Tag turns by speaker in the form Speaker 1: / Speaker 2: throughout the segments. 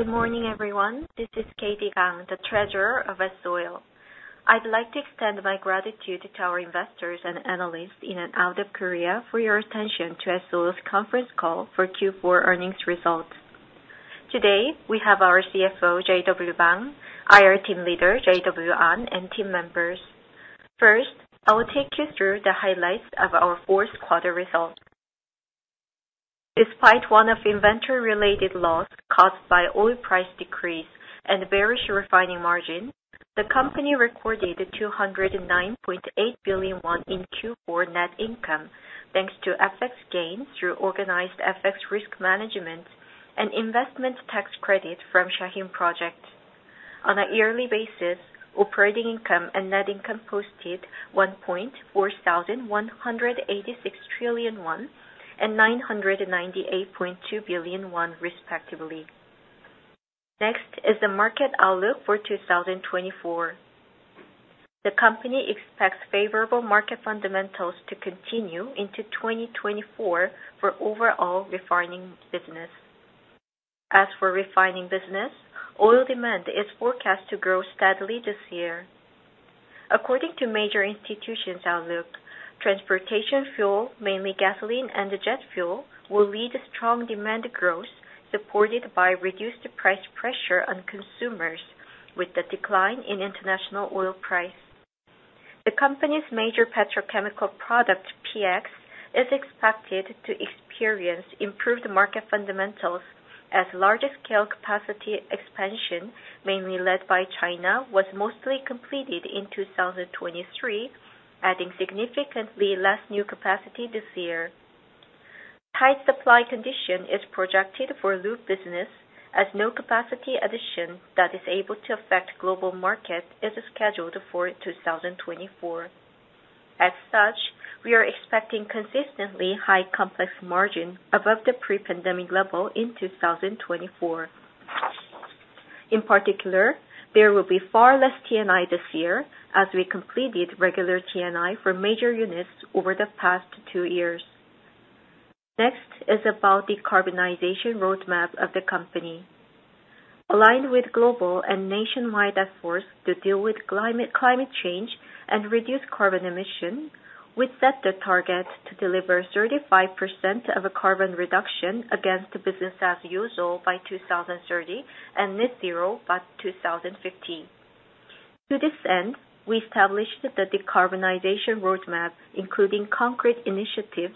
Speaker 1: Good morning, everyone. This is Katie Kang, the Treasurer of S-Oil. I would like to extend my gratitude to our investors and analysts in and out of Korea for your attention to S-Oil's conference call for Q4 earnings results. Today, we have our CFO, JW Bang, IR team leader, JW An, and team members. First, I will take you through the highlights of our fourth quarter results. Despite one-off inventory-related loss caused by oil price decrease and bearish refining margin, the company recorded 209.8 billion won in Q4 net income, thanks to FX gains through organized FX risk management and investment tax credit from Shaheen Project. On a yearly basis, operating income and net income posted 1.4186 trillion won and 998.2 billion won respectively. Next is the market outlook for 2024. The company expects favorable market fundamentals to continue into 2024 for overall refining business. As for refining business, oil demand is forecast to grow steadily this year. According to major institutions' outlook, transportation fuel, mainly gasoline and jet fuel, will lead strong demand growth supported by reduced price pressure on consumers with the decline in international oil price. The company's major petrochemical product, PX, is expected to experience improved market fundamentals as large-scale capacity expansion, mainly led by China, was mostly completed in 2023, adding significantly less new capacity this year. High supply condition is projected for lube business, as no capacity addition that is able to affect global market is scheduled for 2024. As such, we are expecting consistently high complex margin above the pre-pandemic level in 2024. In particular, there will be far less T&I this year as we completed regular T&I for major units over the past two years. Next is about decarbonization roadmap of the company. Aligned with global and nationwide efforts to deal with climate change and reduce carbon emission, we set the target to deliver 35% of carbon reduction against business as usual by 2030 and net zero by 2050. To this end, we established the decarbonization roadmap, including concrete initiatives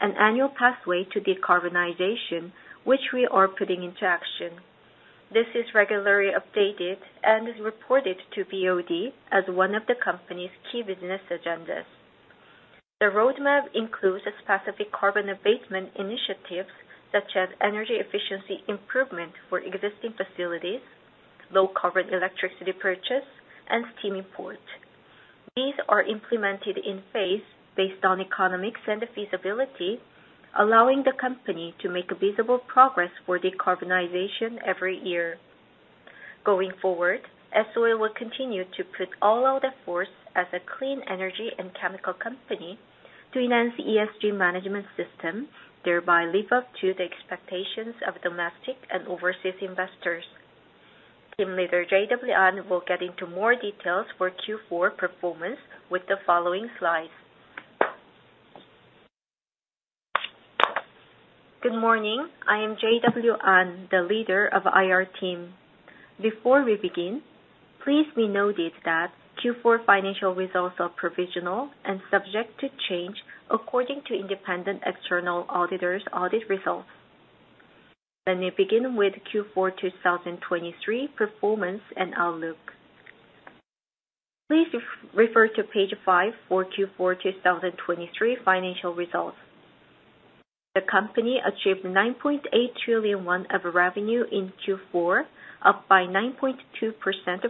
Speaker 1: and annual pathway to decarbonization, which we are putting into action. This is regularly updated and is reported to BOD as one of the company's key business agendas. The roadmap includes specific carbon abatement initiatives, such as energy efficiency improvement for existing facilities, low carbon electricity purchase, and steam import. These are implemented in phase based on economics and feasibility, allowing the company to make visible progress for decarbonization every year. Going forward, S-Oil will continue to put all our efforts as a clean energy and chemical company to enhance ESG management system, thereby live up to the expectations of domestic and overseas investors. Team leader JW An will get into more details for Q4 performance with the following slides. Good morning. I am JW An, the leader of IR team. Before we begin, please be noted that Q4 financial results are provisional and subject to change according to independent external auditors' audit results. Let me begin with Q4 2023 performance and outlook. Please refer to page five for Q4 2023 financial results. The company achieved 9.8 trillion won of revenue in Q4, up by 9.2%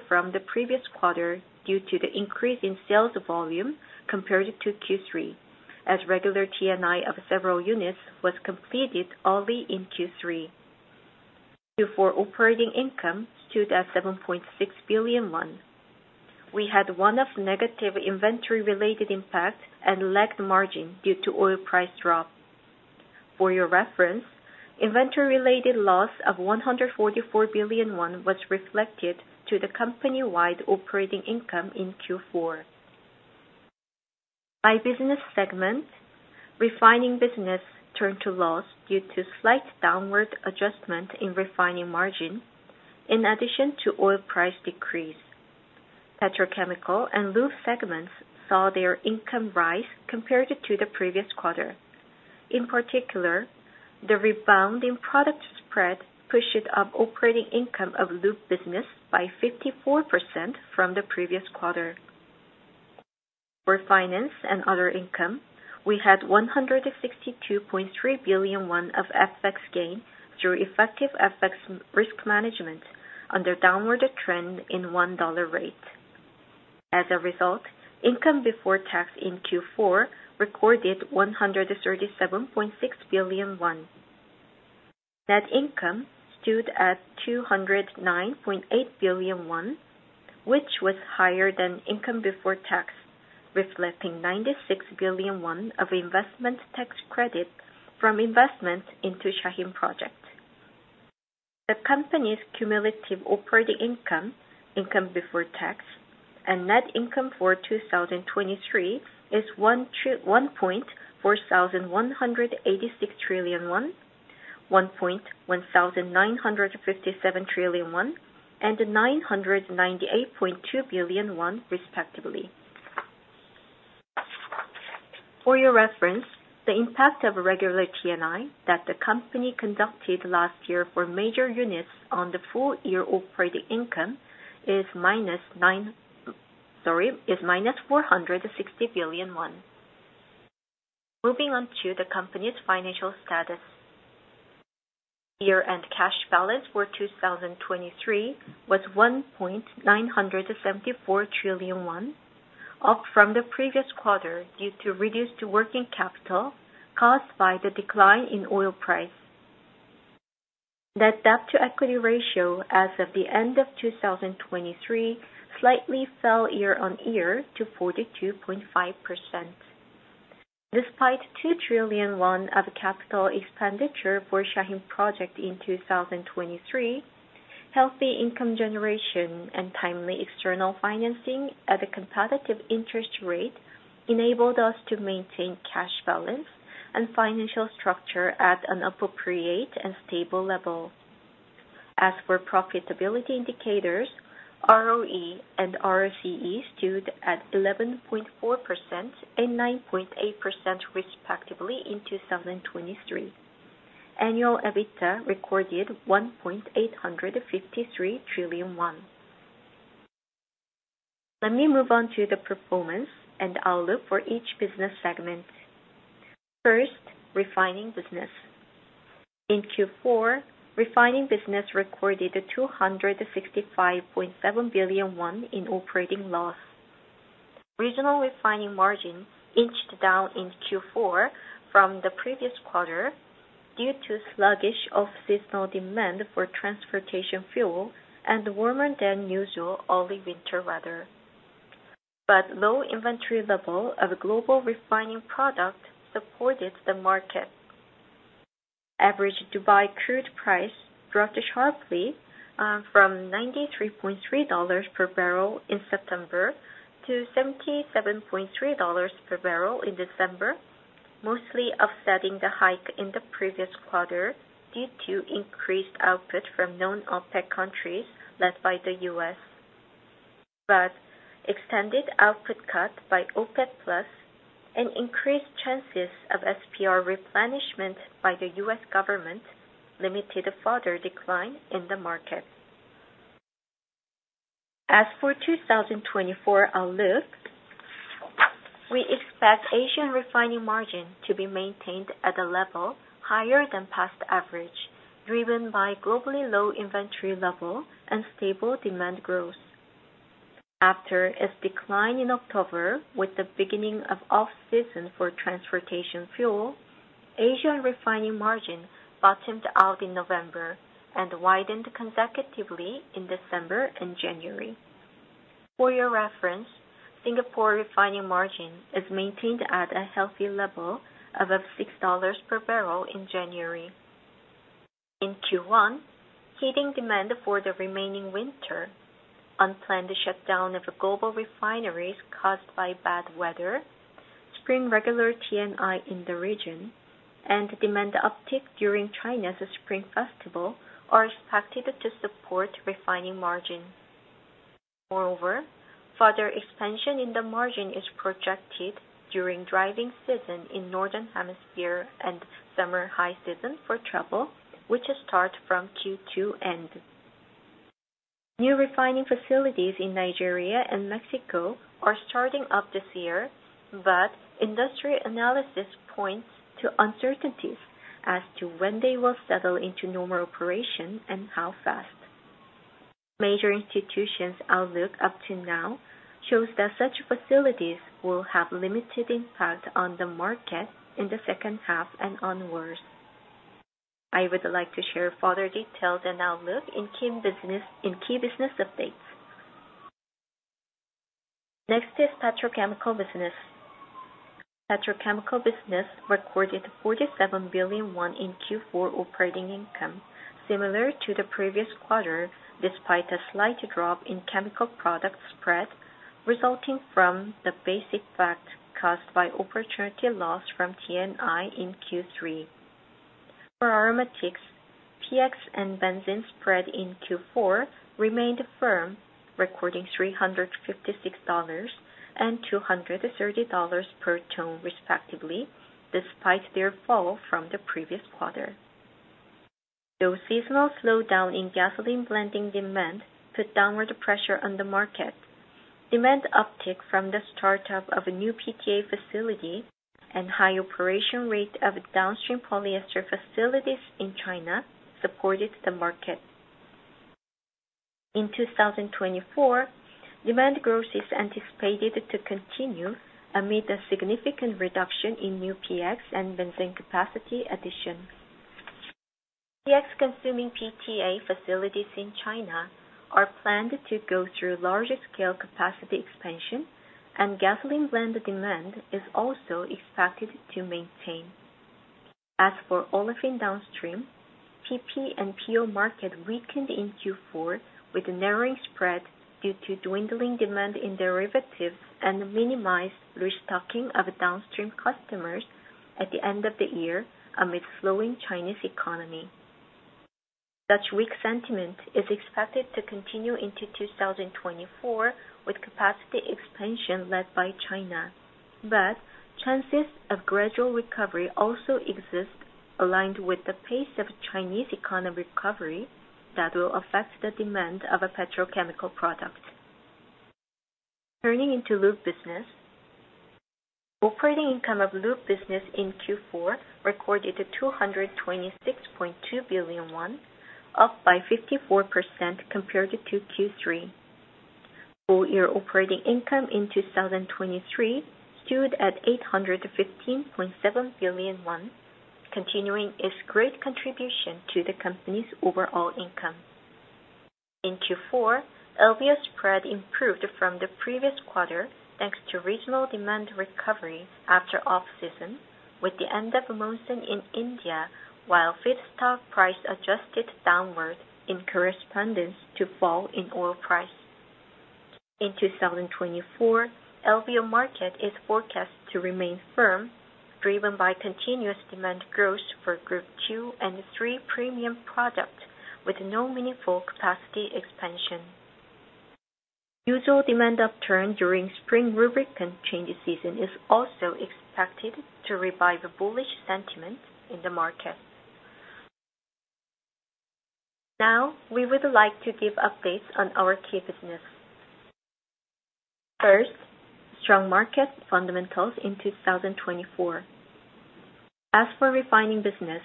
Speaker 1: from the previous quarter due to the increase in sales volume compared to Q3, as regular T&I of several units was completed early in Q3. Q4 operating income stood at 7.6 billion won.
Speaker 2: We had one of negative inventory-related impact and lagged margin due to oil price drop. For your reference, inventory-related loss of 144 billion won was reflected to the company-wide operating income in Q4. By business segment, refining business turned to loss due to slight downward adjustment in refining margin, in addition to oil price decrease. Petrochemical and lube segments saw their income rise compared to the previous quarter. In particular, the rebound in product spread pushed up operating income of lube business by 54% from the previous quarter. For finance and other income, we had 162.3 billion won of FX gain through effective FX risk management under downward trend in 1 dollar rate. As a result, income before tax in Q4 recorded 137.6 billion won. Net income stood at 209.8 billion won, which was higher than income before tax.
Speaker 1: Reflecting 96 billion won of investment tax credit from investment into Shaheen Project. The company's cumulative operating income before tax, and net income for 2023 is 1.4 trillion won, 1.1 trillion won, and 998.2 billion won respectively. For your reference, the impact of regular T&I that the company conducted last year for major units on the full year operating income is -460 billion won. Moving on to the company's financial status. Year-end cash balance for 2023 was 1.974 trillion won, up from the previous quarter due to reduced working capital caused by the decline in oil price. The debt-to-equity ratio as of the end of 2023 slightly fell year-on-year to 42.5%. Despite 2 trillion won of capital expenditure for Shaheen Project in 2023, healthy income generation and timely external financing at a competitive interest rate enabled us to maintain cash balance and financial structure at an appropriate and stable level. As for profitability indicators, ROE and ROCE stood at 11.4% and 9.8% respectively in 2023. Annual EBITDA recorded 1.853 trillion won. Let me move on to the performance and outlook for each business segment. First, refining business. In Q4, refining business recorded 265.7 billion won in operating loss. Regional refining margin inched down in Q4 from the previous quarter due to sluggish off-seasonal demand for transportation fuel and warmer than usual early winter weather. Low inventory level of global refining product supported the market. Average Dubai crude price dropped sharply from $93.3 per barrel in September to $77.3 per barrel in December, mostly offsetting the hike in the previous quarter due to increased output from non-OPEC countries led by the U.S. Extended output cut by OPEC+ and increased chances of SPR replenishment by the U.S. government limited a further decline in the market. As for 2024 outlook, we expect Asian refining margin to be maintained at a level higher than past average, driven by globally low inventory level and stable demand growth. After its decline in October, with the beginning of off-season for transportation fuel, Asian refining margin bottomed out in November and widened consecutively in December and January. For your reference, Singapore refining margin is maintained at a healthy level above $6 per barrel in January. In Q1, heating demand for the remaining winter, unplanned shutdown of global refineries caused by bad weather, spring regular T&I in the region, and demand uptick during China's Spring Festival are expected to support refining margin. Moreover, further expansion in the margin is projected during driving season in Northern Hemisphere and summer high season for travel, which start from Q2 end. New refining facilities in Nigeria and Mexico are starting up this year, but industry analysis points to uncertainties as to when they will settle into normal operation and how fast. Major institutions' outlook up to now shows that such facilities will have limited impact on the market in the second half and onwards. I would like to share further details and outlook in key business updates. Next is petrochemical business. Petrochemical business recorded 47 billion won in Q4 operating income, similar to the previous quarter, despite a slight drop in chemical product spread, resulting from the basic fact caused by opportunity loss from T&I in Q3. For aromatics, PX and benzene spread in Q4 remained firm, recording $356 and $230 per ton respectively, despite their fall from the previous quarter. Though seasonal slowdown in gasoline blending demand put downward pressure on the market, demand uptick from the start-up of a new PTA facility and high operation rate of downstream polyester facilities in China supported the market. In 2024, demand growth is anticipated to continue amid a significant reduction in new PX and benzene capacity addition. PX consuming PTA facilities in China are planned to go through large-scale capacity expansion, and gasoline blend demand is also expected to maintain. As for olefin downstream, PP and PO market weakened in Q4 with narrowing spread due to dwindling demand in derivatives and minimized restocking of downstream customers at the end of the year amid slowing Chinese economy. Such weak sentiment is expected to continue into 2024, with capacity expansion led by China. Chances of gradual recovery also exist, aligned with the pace of Chinese economic recovery that will affect the demand of petrochemical products. Turning into lube business. Operating income of lube business in Q4 recorded 226.2 billion won, up by 54% compared to Q3. Whole year operating income in 2023 stood at 815.7 billion won, continuing its great contribution to the company's overall income. In Q4, LBO spread improved from the previous quarter thanks to regional demand recovery after off-season, with the end of monsoon in India, while feedstock price adjusted downward in correspondence to fall in oil price. In 2024, LBO market is forecast to remain firm, driven by continuous demand growth for Group II and III premium product, with no meaningful capacity expansion. Usual demand upturn during spring lubricant change season is also expected to revive the bullish sentiment in the market. Now, we would like to give updates on our key business. First, strong market fundamentals in 2024. As for refining business,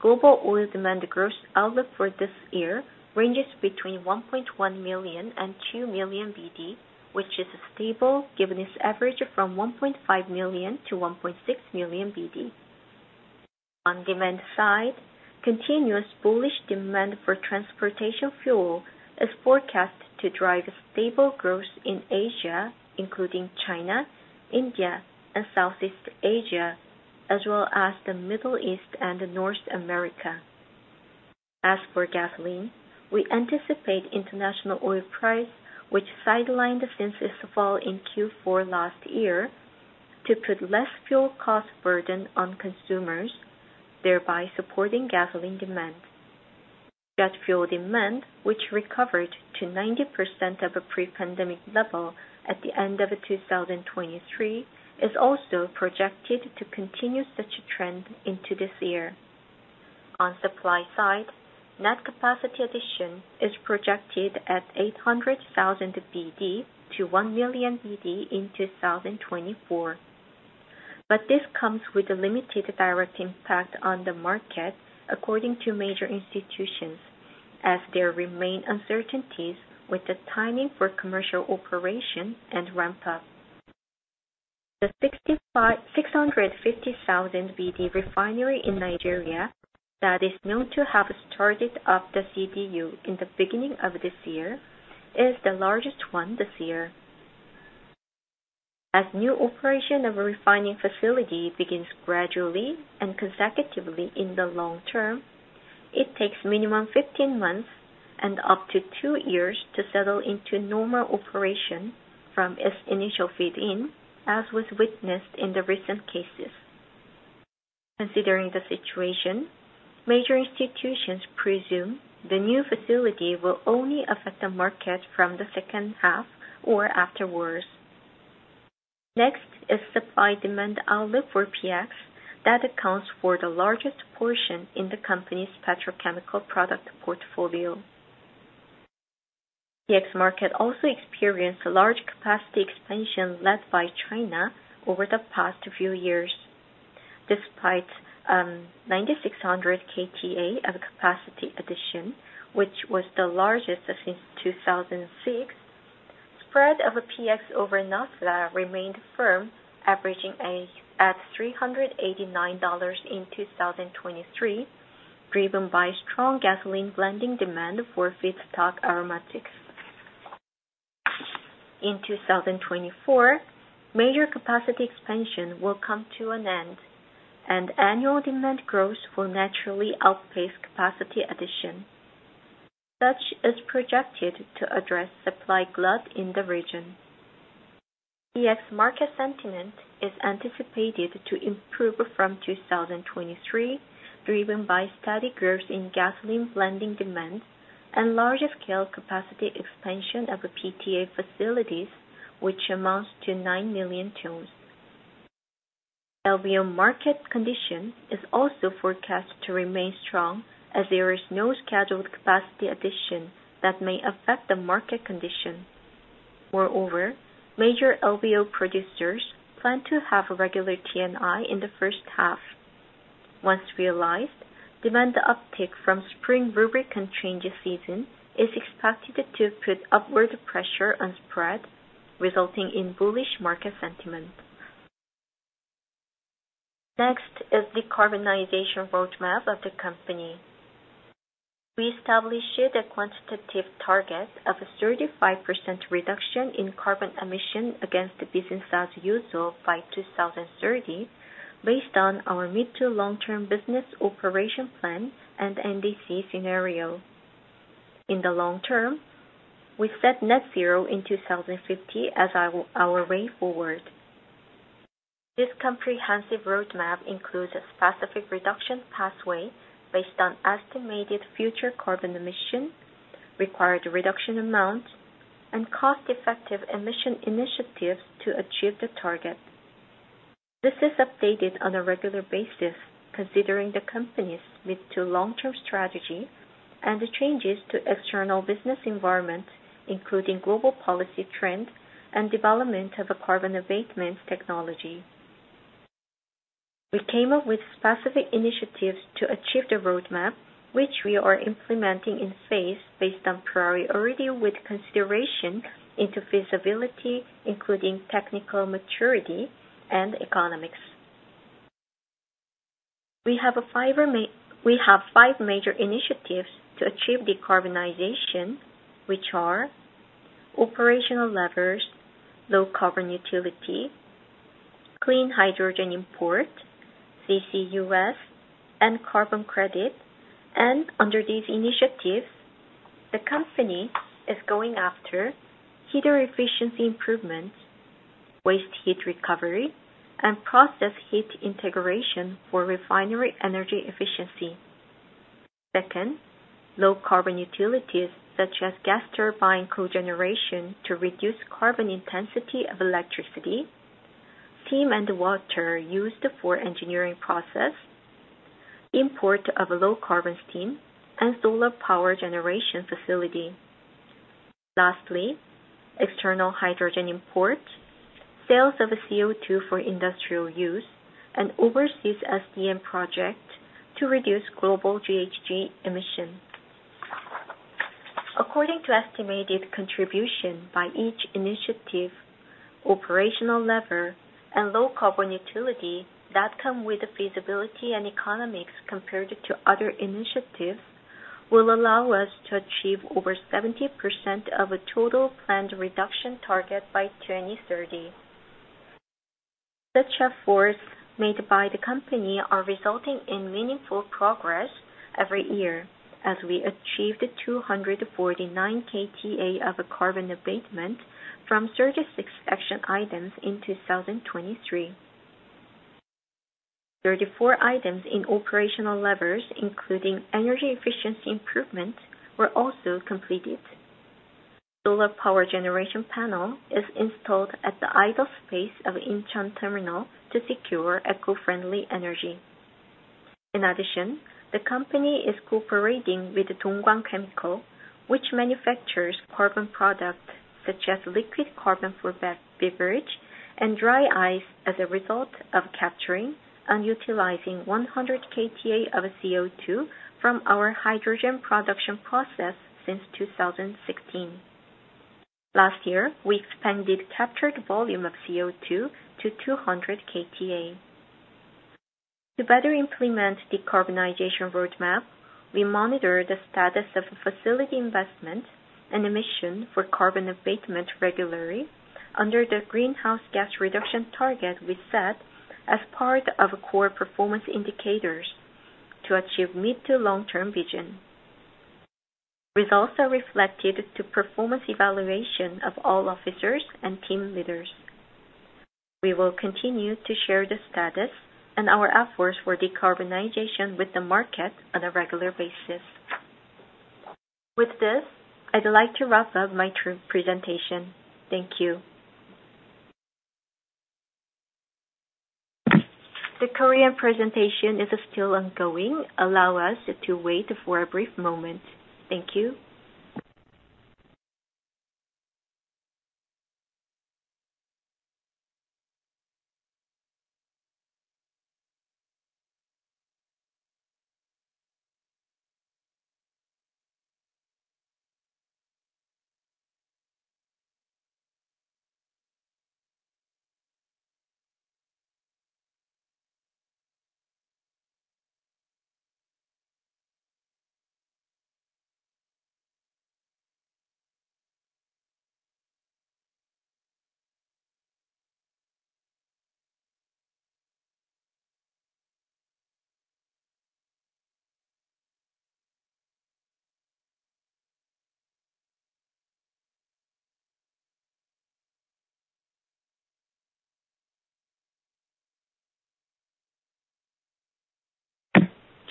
Speaker 1: global oil demand growth outlook for this year ranges between 1.1 million and 2 million BD, which is stable given its average from 1.5 million to 1.6 million BD. On demand side, continuous bullish demand for transportation fuel is forecast to drive stable growth in Asia, including China, India, and Southeast Asia, as well as the Middle East and North America. As for gasoline, we anticipate international oil price, which sidelined since its fall in Q4 last year, to put less fuel cost burden on consumers, thereby supporting gasoline demand. Jet fuel demand, which recovered to 90% of a pre-pandemic level at the end of 2023, is also projected to continue such a trend into this year. On supply side, net capacity addition is projected at 800,000 BD to 1 million BD in 2024. This comes with a limited direct impact on the market, according to major institutions, as there remain uncertainties with the timing for commercial operation and ramp up. The 650,000 BD refinery in Nigeria that is known to have started up the CDU in the beginning of this year, is the largest one this year. As new operation of a refining facility begins gradually and consecutively in the long term, it takes minimum 15 months and up to 2 years to settle into normal operation from its initial feed-in, as was witnessed in the recent cases. Considering the situation, major institutions presume the new facility will only affect the market from the second half or afterwards. Next is supply-demand outlook for PX, that accounts for the largest portion in the company's petrochemical product portfolio. PX market also experienced a large capacity expansion led by China over the past few years. Despite 9,600 kta of capacity addition, which was the largest since 2006, spread of a PX over naphtha remained firm, averaging at $389 in 2023, driven by strong gasoline blending demand for feedstock aromatics. In 2024, major capacity expansion will come to an end, and annual demand growth will naturally outpace capacity addition, such is projected to address supply glut in the region. PX market sentiment is anticipated to improve from 2023, driven by steady growth in gasoline blending demand and larger scale capacity expansion of PTA facilities, which amounts to 9 million tons. LBO market condition is also forecast to remain strong as there is no scheduled capacity addition that may affect the market condition. Moreover, major LBO producers plan to have a regular T&I in the first half. Once realized, demand uptake from spring lubricant change season is expected to put upward pressure on spread, resulting in bullish market sentiment. Next is decarbonization roadmap of the company. We established a quantitative target of a 35% reduction in carbon emission against the business as usual by 2030, based on our mid to long-term business operation plan and NDC scenario. In the long term, we set net zero in 2050 as our way forward. This comprehensive roadmap includes a specific reduction pathway based on estimated future carbon emission, required reduction amount, and cost-effective emission initiatives to achieve the target. This is updated on a regular basis, considering the company's mid to long-term strategy and the changes to external business environment, including global policy trend and development of a carbon abatement technology. We came up with specific initiatives to achieve the roadmap, which we are implementing in phase based on priority with consideration into feasibility, including technical maturity and economics. We have five major initiatives to achieve decarbonization, which are operational levers, low carbon utility, clean hydrogen import, CCUS, and carbon credit. Under these initiatives, the company is going after heater efficiency improvements, waste heat recovery, and process heat integration for refinery energy efficiency. Second, low carbon utilities such as gas turbine cogeneration to reduce carbon intensity of electricity, steam and water used for engineering process, import of low carbon steam, and solar power generation facility. Lastly, external hydrogen import, sales of CO2 for industrial use, and overseas CDM project to reduce global GHG emissions. According to estimated contribution by each initiative, operational lever, and low carbon utility that come with feasibility and economics compared to other initiatives, will allow us to achieve over 70% of a total planned reduction target by 2030. Such efforts made by the company are resulting in meaningful progress every year as we achieved 249 kta of carbon abatement from 36 action items in 2023. 34 items in operational levers, including energy efficiency improvements, were also completed. Solar power generation panel is installed at the idle space of Incheon Terminal to secure eco-friendly energy. In addition, the company is cooperating with Dongguan Chemical, which manufactures carbon products such as liquid carbon for beverage and dry ice, as a result of capturing and utilizing 100 kta of CO2 from our hydrogen production process since 2016. Last year, we expanded captured volume of CO2 to 200 kta. To better implement decarbonization roadmap, we monitor the status of facility investment and emission for carbon abatement regularly under the greenhouse gas reduction target we set as part of core performance indicators to achieve mid to long-term vision. Results are reflected to performance evaluation of all officers and team leaders. We will continue to share the status and our efforts for decarbonization with the market on a regular basis. With this, I'd like to wrap up my presentation. Thank you. The Korean presentation is still ongoing. Allow us to wait for a brief moment. Thank you.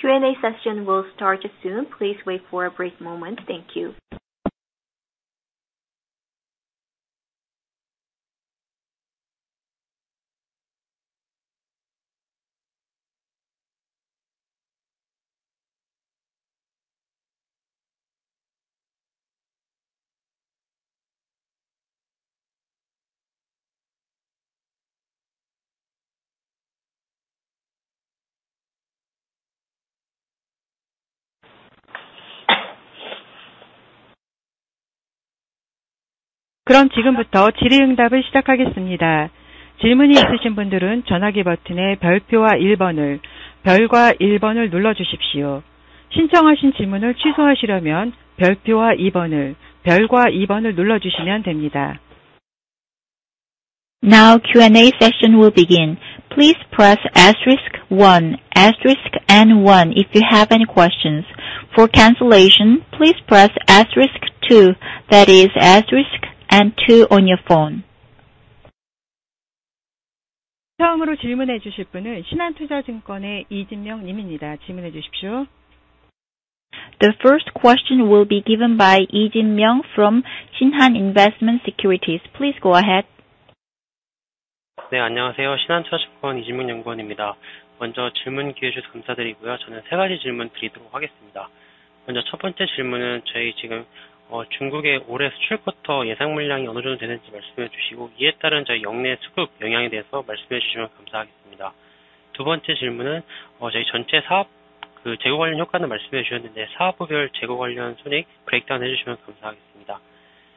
Speaker 1: Q&A session will start soon. Please wait for a brief moment. Thank you.
Speaker 3: 그럼 지금부터 질의응답을 시작하겠습니다. 질문이 있으신 분들은 전화기 버튼의 *과 1번을 눌러주십시오. 신청하신 질문을 취소하시려면 *와 2번을 눌러주시면 됩니다.
Speaker 4: Q&A session will begin. Please press *1, * and 1 if you have any questions. For cancellation, please press *2. That is * and 2 on your phone.
Speaker 3: 처음으로 질문해 주실 분은 신한투자증권의 이진명 님입니다. 질문해 주십시오.
Speaker 4: The first question will be given by 이진명 from Shinhan Investment Securities. Please go ahead.
Speaker 5: 네, 안녕하세요. 신한투자증권 이진명 연구원입니다. 먼저 질문 기회 주셔서 감사드리고요. 저는 세 가지 질문드리도록 하겠습니다. 먼저 첫 번째 질문은 중국의 올해 수출 쿼터 예상 물량이 어느 정도 되는지 말씀해 주시고, 이에 따른 역내 수급 영향에 대해서 말씀해 주시면 감사하겠습니다. 두 번째 질문은 전체 사업 재고 관련 효과는 말씀해 주셨는데 사업부별 재고 관련 손익 브레이크다운 해주시면 감사하겠습니다.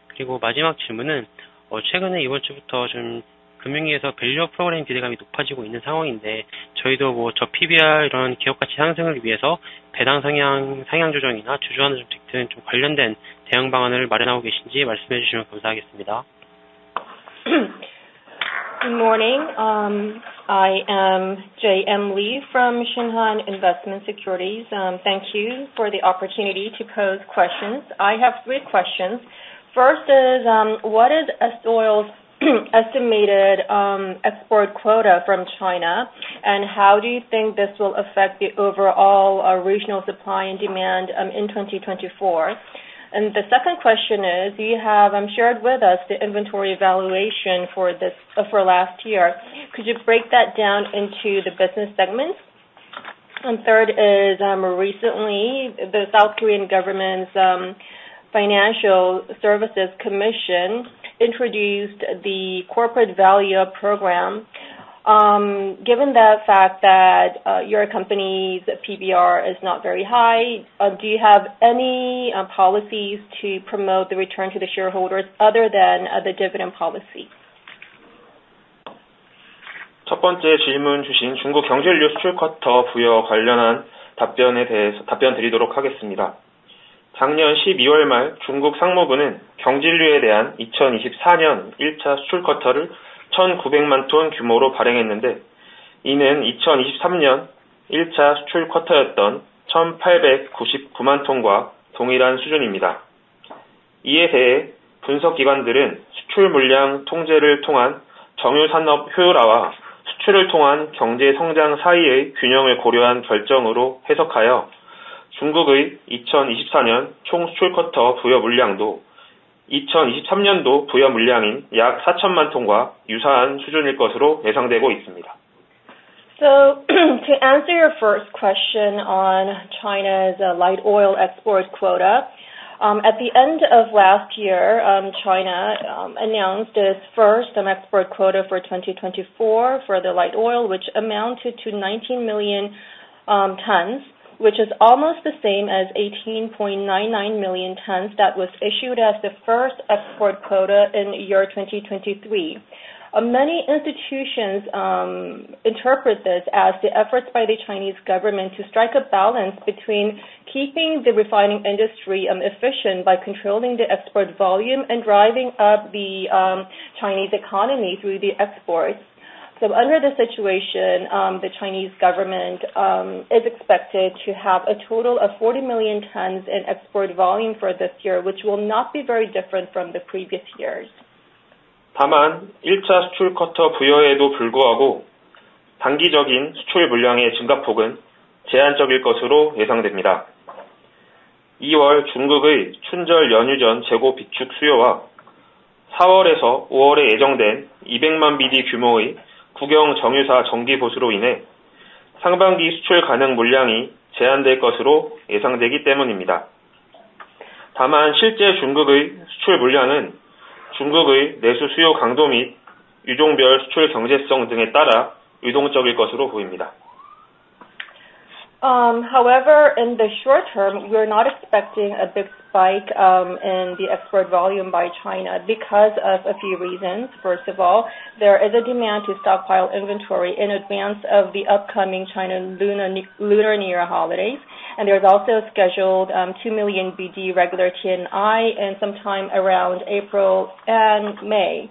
Speaker 5: 그리고 마지막 질문은 최근에 이번 주부터 금융위에서 밸류업 프로그램 기대감이 높아지고 있는 상황인데, 저 PBR 이런 기업 가치 상승을 위해서 배당 상향 조정이나 주주환원 정책 등 관련된 대응 방안을 마련하고 계신지 말씀해 주시면 감사하겠습니다.
Speaker 4: Good morning. I am JM Lee from Shinhan Investment Securities. Thank you for the opportunity to pose questions. I have three questions. First is, what is S-Oil's estimated export quota from China? How do you think this will affect the overall regional supply and demand in 2024? The second question is you have shared with us the inventory evaluation for last year. Could you break that down into the business segments? Third is, recently the South Korean government's Financial Services Commission introduced the corporate value program. Given the fact that your company's PBR is not very high, do you have any policies to promote the return to the shareholders other than the dividend policy?
Speaker 6: 첫 번째 질문 주신 중국 경질유 수출 쿼터 부여 관련한 답변 드리도록 하겠습니다. 작년 12월 말 중국 상무부는 경질유에 대한 2024년 1차 수출 쿼터를 1,900만 톤 규모로 발행했는데, 이는 2023년 1차 수출 쿼터였던 1,899만 톤과 동일한 수준입니다. 이에 대해 분석 기관들은 수출 물량 통제를 통한 정유 산업 효율화와 수출을 통한 경제 성장 사이의 균형을 고려한 결정으로 해석하여 중국의 2024년 총 수출 쿼터 부여 물량도 2023년도 부여 물량인 약 4,000만 톤과 유사한 수준일 것으로 예상되고 있습니다.
Speaker 4: To answer your first question on China's light oil export quota. At the end of last year, China announced its first export quota for 2024 for the light oil, which amounted to 19 million tons, which is almost the same as 18.99 million tons that was issued as the first export quota in year 2023. Many institutions interpret this as the efforts by the Chinese government to strike a balance between keeping the refining industry efficient by controlling the export volume and driving up the Chinese economy through the exports. Under the situation, the Chinese government is expected to have a total of 40 million tons in export volume for this year, which will not be very different from the previous years.
Speaker 6: 다만 1차 수출 쿼터 부여에도 불구하고 단기적인 수출 물량의 증가폭은 제한적일 것으로 예상됩니다. 2월 중국의 춘절 연휴 전 재고 비축 수요와 4월에서 5월에 예정된 200만 BD 규모의 국영 정유사 정기 보수로 인해 상반기 수출 가능 물량이 제한될 것으로 예상되기 때문입니다. 다만 실제 중국의 수출 물량은 중국의 내수 수요 강도 및 유종별 수출 경제성 등에 따라 유동적일 것으로 보입니다.
Speaker 4: However, in the short term, we are not expecting a big spike in the export volume by China because of a few reasons. First of all, there is a demand to stockpile inventory in advance of the upcoming China Lunar New Year holidays, and there's also scheduled 2 million BD regular T&I sometime around April and May.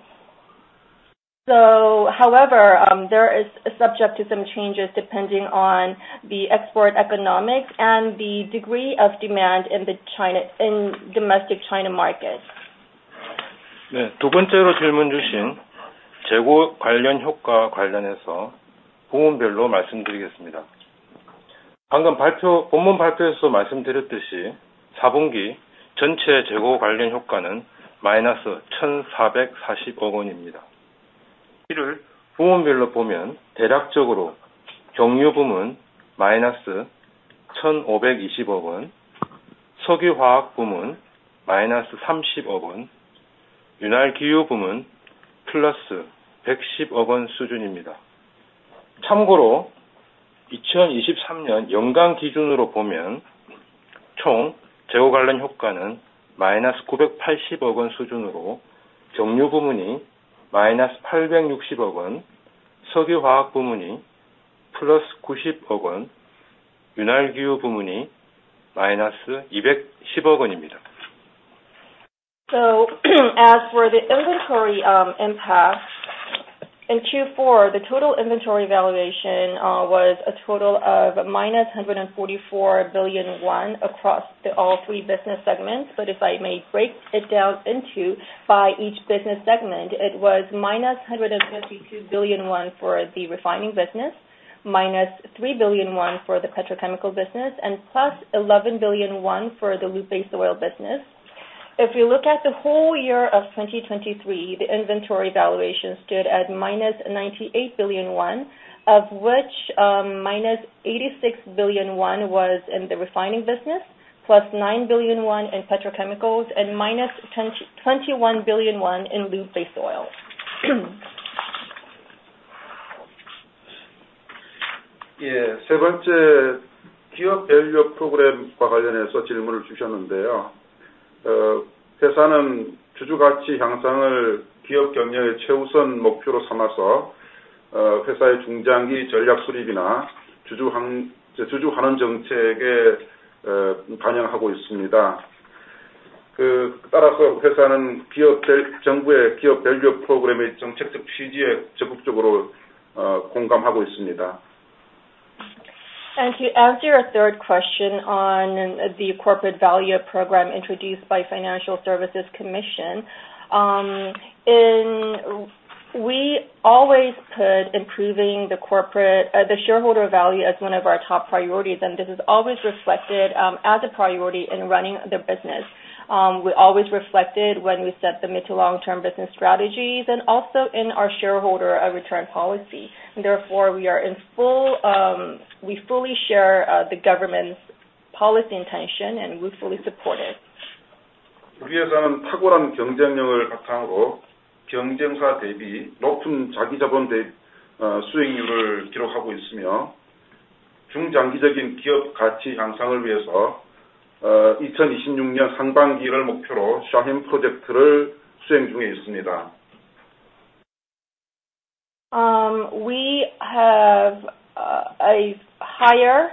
Speaker 4: However, there is a subject to some changes depending on the export economics and the degree of demand in domestic China market.
Speaker 2: 네, 두 번째로 질문 주신 재고 관련 효과 관련해서 부문별로 말씀드리겠습니다. 방금 본문 발표에서도 말씀드렸듯이 4분기 전체 재고 관련 효과는 -1,440억 원입니다. 이를 부문별로 보면 대략적으로 정유 부문 -1,520억 원, 석유화학 부문 -30억 원, 윤활기유 부문 +110억 원 수준입니다. 참고로 2023년 연간 기준으로 보면 총 재고 관련 효과는 -980억 원 수준으로 정유 부문이 -860억 원, 석유화학 부문이 +90억 원, 윤활유 부문이 -210억 원입니다.
Speaker 4: As for the inventory impact, in Q4, the total inventory valuation was a total of -144 billion won across all three business segments. If I may break it down into by each business segment, it was -152 billion for the refining business, -3 billion for the petrochemical business, and +11 billion for the Lube Base Oil business. If you look at the whole year of 2023, the inventory valuation stood at -98 billion won, of which -86 billion won was in the refining business, +9 billion won in petrochemicals, and -21 billion won in Lube Base Oil.
Speaker 2: 세 번째, 기업 밸류업 프로그램과 관련해서 질문을 주셨는데요. 회사는 주주 가치 향상을 기업 경영의 최우선 목표로 삼아서 회사의 중장기 전략 수립이나 주주 환원 정책에 반영하고 있습니다. 따라서 회사는 정부의 기업 밸류업 프로그램의 정책적 취지에 적극적으로 공감하고 있습니다.
Speaker 4: Thank you. As your third question on the corporate value program introduced by Financial Services Commission. We always put improving the shareholder value as one of our top priorities, and this is always reflected as a priority in running the business. We always reflected when we set the mid to long-term business strategies and also in our shareholder return policy. We fully share the government's policy intention, and we fully support it.
Speaker 2: 우리 회사는 탁월한 경쟁력을 바탕으로 경쟁사 대비 높은 자기자본 수익률을 기록하고 있으며, 중장기적인 기업 가치 향상을 위해서 2026년 상반기를 목표로 Shaheen 프로젝트를 수행 중에 있습니다.
Speaker 4: We have a higher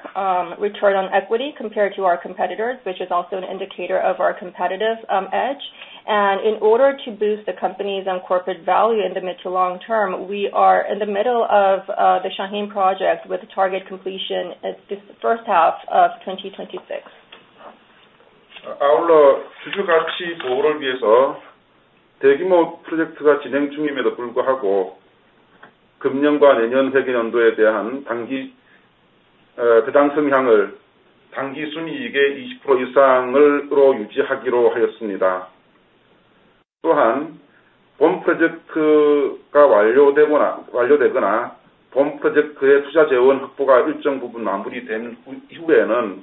Speaker 4: return on equity compared to our competitors, which is also an indicator of our competitive edge. In order to boost the company's own corporate value in the mid to long term, we are in the middle of the Shaheen Project with target completion at the first half of 2026.
Speaker 2: 아울러 주주 가치 보호를 위해서 대규모 프로젝트가 진행 중임에도 불구하고 금년과 내년 회계연도에 대한 배당 성향을 당기순이익의 20% 이상으로 유지하기로 하였습니다. 또한 본 프로젝트가 완료되거나, 본 프로젝트의 투자재원 확보가 일정 부분 마무리된 이후에는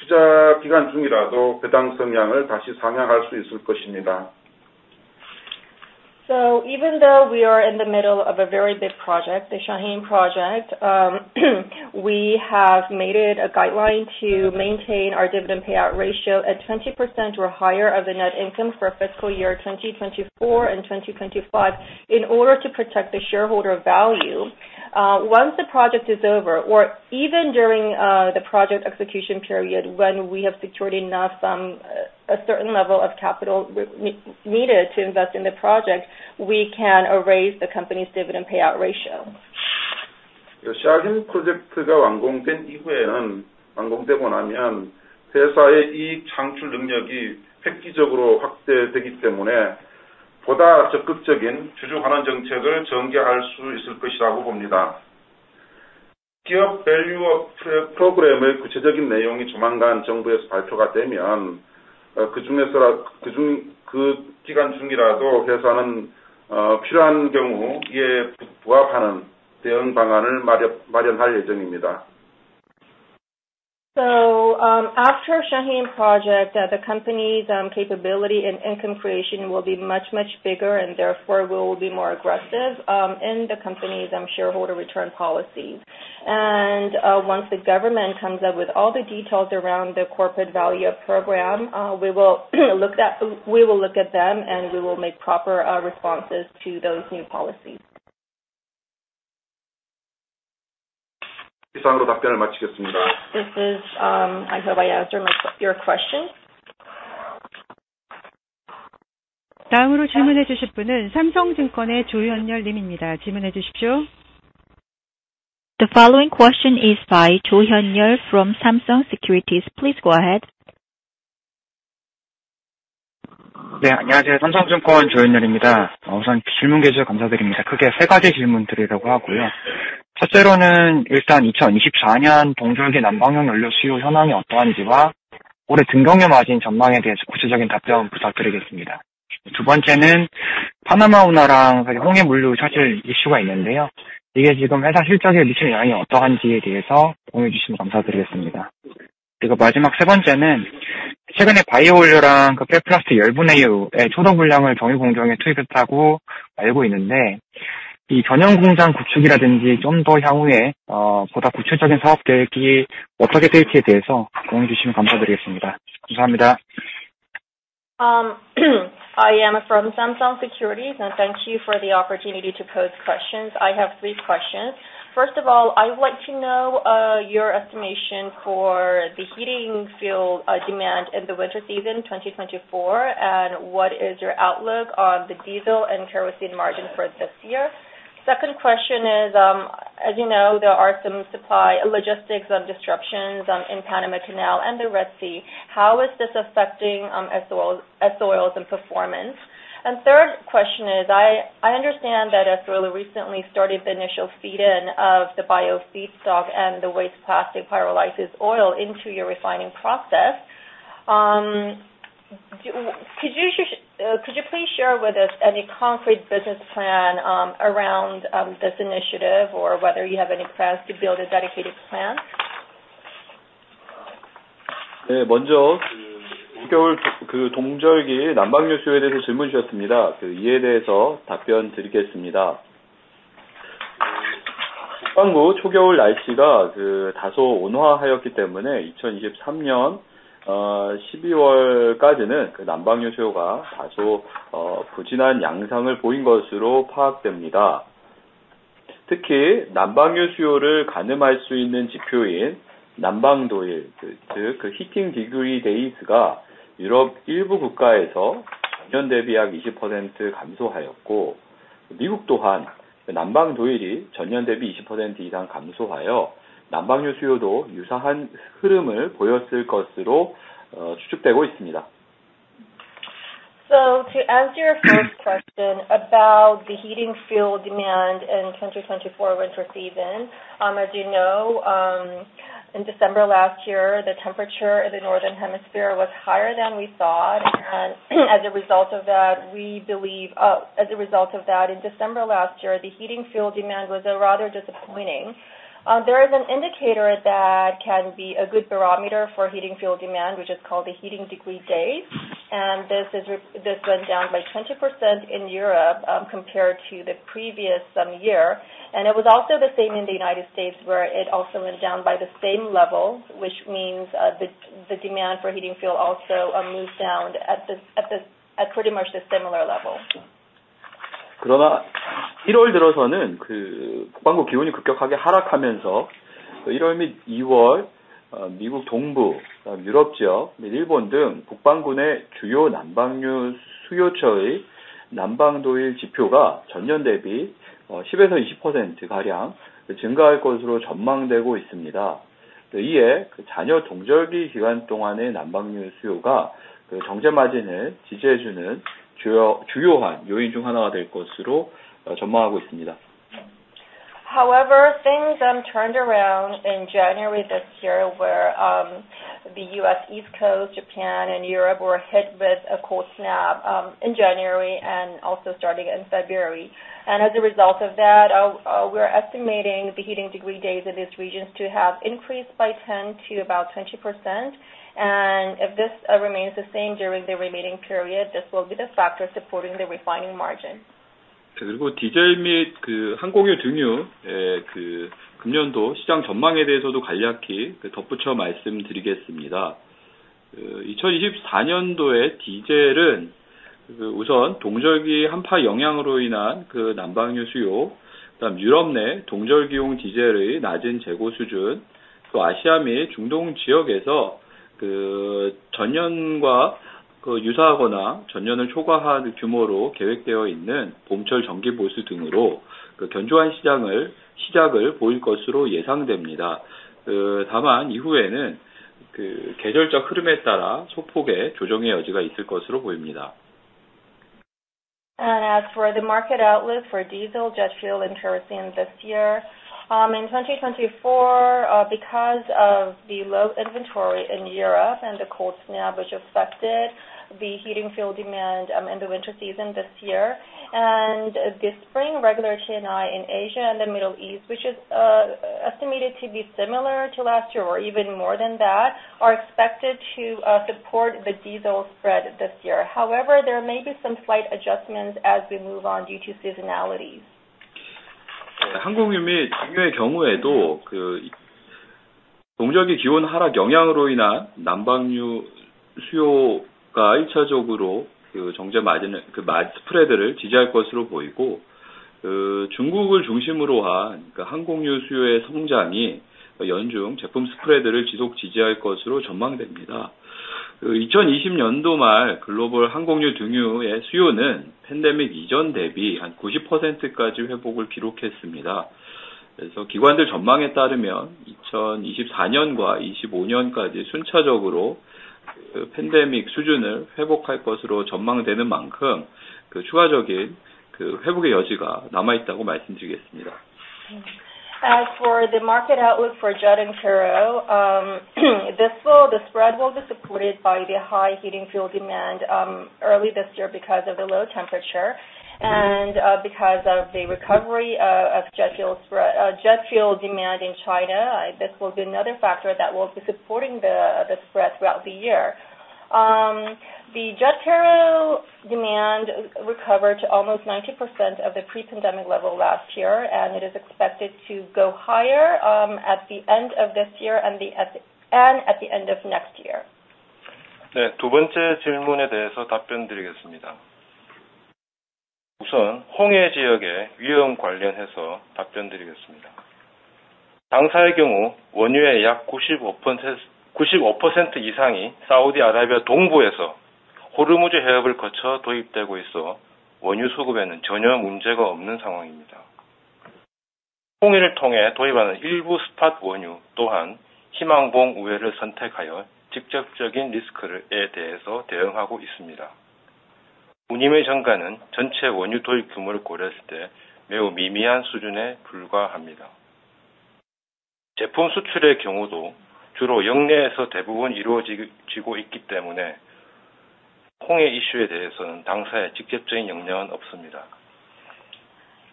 Speaker 2: 투자 기간 중이라도 배당 성향을 다시 상향할 수 있을 것입니다.
Speaker 4: Even though we are in the middle of a very big project, the Shaheen Project, we have made it a guideline to maintain our dividend payout ratio at 20% or higher of the net income for fiscal year 2024 and 2025 in order to protect the shareholder value. Once the project is over, or even during the project execution period when we have secured enough a certain level of capital needed to invest in the project, we can raise the company's dividend payout ratio.
Speaker 2: Shaheen 프로젝트가 완공되고 나면 회사의 이익 창출 능력이 획기적으로 확대되기 때문에 보다 적극적인 주주 환원 정책을 전개할 수 있을 것이라고 봅니다. 기업 밸류업 프로그램의 구체적인 내용이 조만간 정부에서 발표가 되면, 그 기간 중이라도 회사는 필요한 경우 이에 부합하는 대응 방안을 마련할 예정입니다.
Speaker 4: After Shaheen Project, the company's capability and income creation will be much, much bigger, and therefore we will be more aggressive in the company's shareholder return policy. Once the government comes up with all the details around the corporate value-up program, we will look at them, and we will make proper responses to those new policies.
Speaker 2: 이상으로 답변을 마치겠습니다.
Speaker 4: I hope I answered your question.
Speaker 3: 다음으로 질문해 주실 분은 삼성증권의 조현열 님입니다. 질문해 주십시오.
Speaker 4: The following question is by Jo Hyun-yeol from Samsung Securities. Please go ahead.
Speaker 7: 네, 안녕하세요. 삼성증권 조현열입니다. 우선 질문해 주셔서 감사드립니다. 크게 세 가지 질문드리려고 하고요. 첫째로는 일단 2024년 동절기 난방용 연료 수요 현황이 어떠한지와 올해 등유 경유 마진 전망에 대해서 구체적인 답변 부탁드리겠습니다. 두 번째는 파나마 운하랑 홍해 물류 이슈가 있는데요. 이게 지금 회사 실적에 미치는 영향이 어떠한지에 대해서 공유해 주시면 감사드리겠습니다. 그리고 마지막 세 번째는 최근에 바이오 연료랑 폐플라스틱 열분해유의 초동 물량을 정유 공장에 투입했다고 알고 있는데, 전용 공장 구축이라든지 좀더 향후에 보다 구체적인 사업 계획이 어떻게 될지에 대해서 공유해 주시면 감사드리겠습니다. 감사합니다.
Speaker 4: I am from Samsung Securities. Thank you for the opportunity to pose questions. I have three questions. First of all, I would like to know your estimation for the heating fuel demand in the winter season 2024, and what is your outlook on the diesel and kerosene margin for this year. Second question is, as you know, there are some supply logistics of disruptions in Panama Canal and the Red Sea. How is this affecting S-Oil's performance? Third question is, I understand that S-Oil recently started the initial feed in of the bio feedstock and the waste plastic pyrolysis oil into your refining process. Could you please share with us any concrete business plan around this initiative or whether you have any plans to build a dedicated plant?
Speaker 8: 먼저 동절기 난방유 수요에 대해서 질문 주셨습니다. 이에 대해서 답변드리겠습니다. 북반구 초겨울 날씨가 다소 온화하였기 때문에 2023년 12월까지는 난방유 수요가 다소 부진한 양상을 보인 것으로 파악됩니다. 특히 난방유 수요를 가늠할 수 있는 지표인 난방도일, 즉 Heating Degree Days가 유럽 일부 국가에서 전년 대비 약 20% 감소하였고, 미국 또한 난방도일이 전년 대비 20% 이상 감소하여 난방유 수요도 유사한 흐름을 보였을 것으로 추측되고 있습니다.
Speaker 4: To answer your first question about the heating fuel demand in 2024 winter season. As you know, in December 2023, the temperature in the northern hemisphere was higher than we thought. As a result of that, in December 2023, the heating fuel demand was rather disappointing. There is an indicator that can be a good barometer for heating fuel demand, which is called the Heating Degree Days. This went down by 20% in Europe compared to the previous year. It was also the same in the U.S., where it also went down by the same level, which means the demand for heating fuel also moved down at pretty much the similar level.
Speaker 8: 그러나 1월 들어서는 북반구 기온이 급격하게 하락하면서 1월 및 2월 미국 동부, 유럽 지역 및 일본 등 북반구 내 주요 난방유 수요처의 Heating Degree Days 지표가 전년 대비 10~20%가량 증가할 것으로 전망되고 있습니다. 이에 잔여 동절기 기간 동안의 난방유 수요가 정제 마진을 지지해 주는 주요한 요인 중 하나가 될 것으로 전망하고 있습니다.
Speaker 4: Things turned around in January 2024, where the U.S. East Coast, Japan, and Europe were hit with a cold snap in January and also starting in February 2024. As a result of that, we're estimating the Heating Degree Days in these regions to have increased by 10%-20%. If this remains the same during the remaining period, this will be the factor supporting the refining margin.
Speaker 8: 그리고 디젤 및 항공유·등유의 금년도 시장 전망에 대해서도 간략히 덧붙여 말씀드리겠습니다. 2024년도에 디젤은 우선 동절기 한파 영향으로 인한 난방유 수요, 그다음 유럽 내 동절기용 디젤의 낮은 재고 수준, 또 아시아 및 중동 지역에서 전년과 유사하거나 전년을 초과한 규모로 계획되어 있는 봄철 정기 보수 등으로 견조한 시장 시작을 보일 것으로 예상됩니다. 다만 이후에는 계절적 흐름에 따라 소폭의 조정의 여지가 있을 것으로 보입니다.
Speaker 4: As for the market outlook for diesel, jet fuel and kerosene 2024. In 2024, because of the low inventory in Europe and the cold snap, which affected the heating fuel demand in the winter season 2024, and the spring regular T&I in Asia and the Middle East, which is estimated to be similar to 2023, or even more than that, are expected to support the diesel spread 2024. There may be some slight adjustments as we move on due to seasonality.
Speaker 8: 항공유 및 등유의 경우에도 동절기 기온 하락 영향으로 인한 난방유 수요가 1차적으로 스프레드를 지지할 것으로 보이고, 중국을 중심으로 한 항공유 수요의 성장이 연중 제품 스프레드를 지속 지지할 것으로 전망됩니다. 2020년도 말 글로벌 항공유 등유의 수요는 팬데믹 이전 대비 한 90%까지 회복을 기록했습니다. 기관들 전망에 따르면 2024년과 25년까지 순차적으로 팬데믹 수준을 회복할 것으로 전망되는 만큼, 추가적인 회복의 여지가 남아있다고 말씀드리겠습니다.
Speaker 4: As for the market outlook for jet and turbo, the spread will be supported by the high heating fuel demand early 2024 because of the low temperature and because of the recovery of jet fuel demand in China. This will be another factor that will be supporting the spread throughout the year. The jet turbo recovered to almost 90% of the pre-pandemic level in 2023, and it is expected to go higher at the end of 2024 and at the end of 2025.
Speaker 2: 네, 두 번째 질문에 대해서 답변드리겠습니다. 우선 홍해 지역의 위험 관련해서 답변드리겠습니다. 당사의 경우, 원유의 약 95% 이상이 사우디아라비아 동부에서 호르무즈 해협을 거쳐 도입되고 있어 원유 수급에는 전혀 문제가 없는 상황입니다. 홍해를 통해 도입하는 일부 스팟 원유 또한 희망봉 우회를 선택하여 직접적인 리스크에 대해서 대응하고 있습니다. 운임의 증가는 전체 원유 도입 규모를 고려했을 때 매우 미미한 수준에 불과합니다. 제품 수출의 경우도 주로 역내에서 대부분 이루어지고 있기 때문에 홍해 이슈에 대해서는 당사에 직접적인 영향은 없습니다.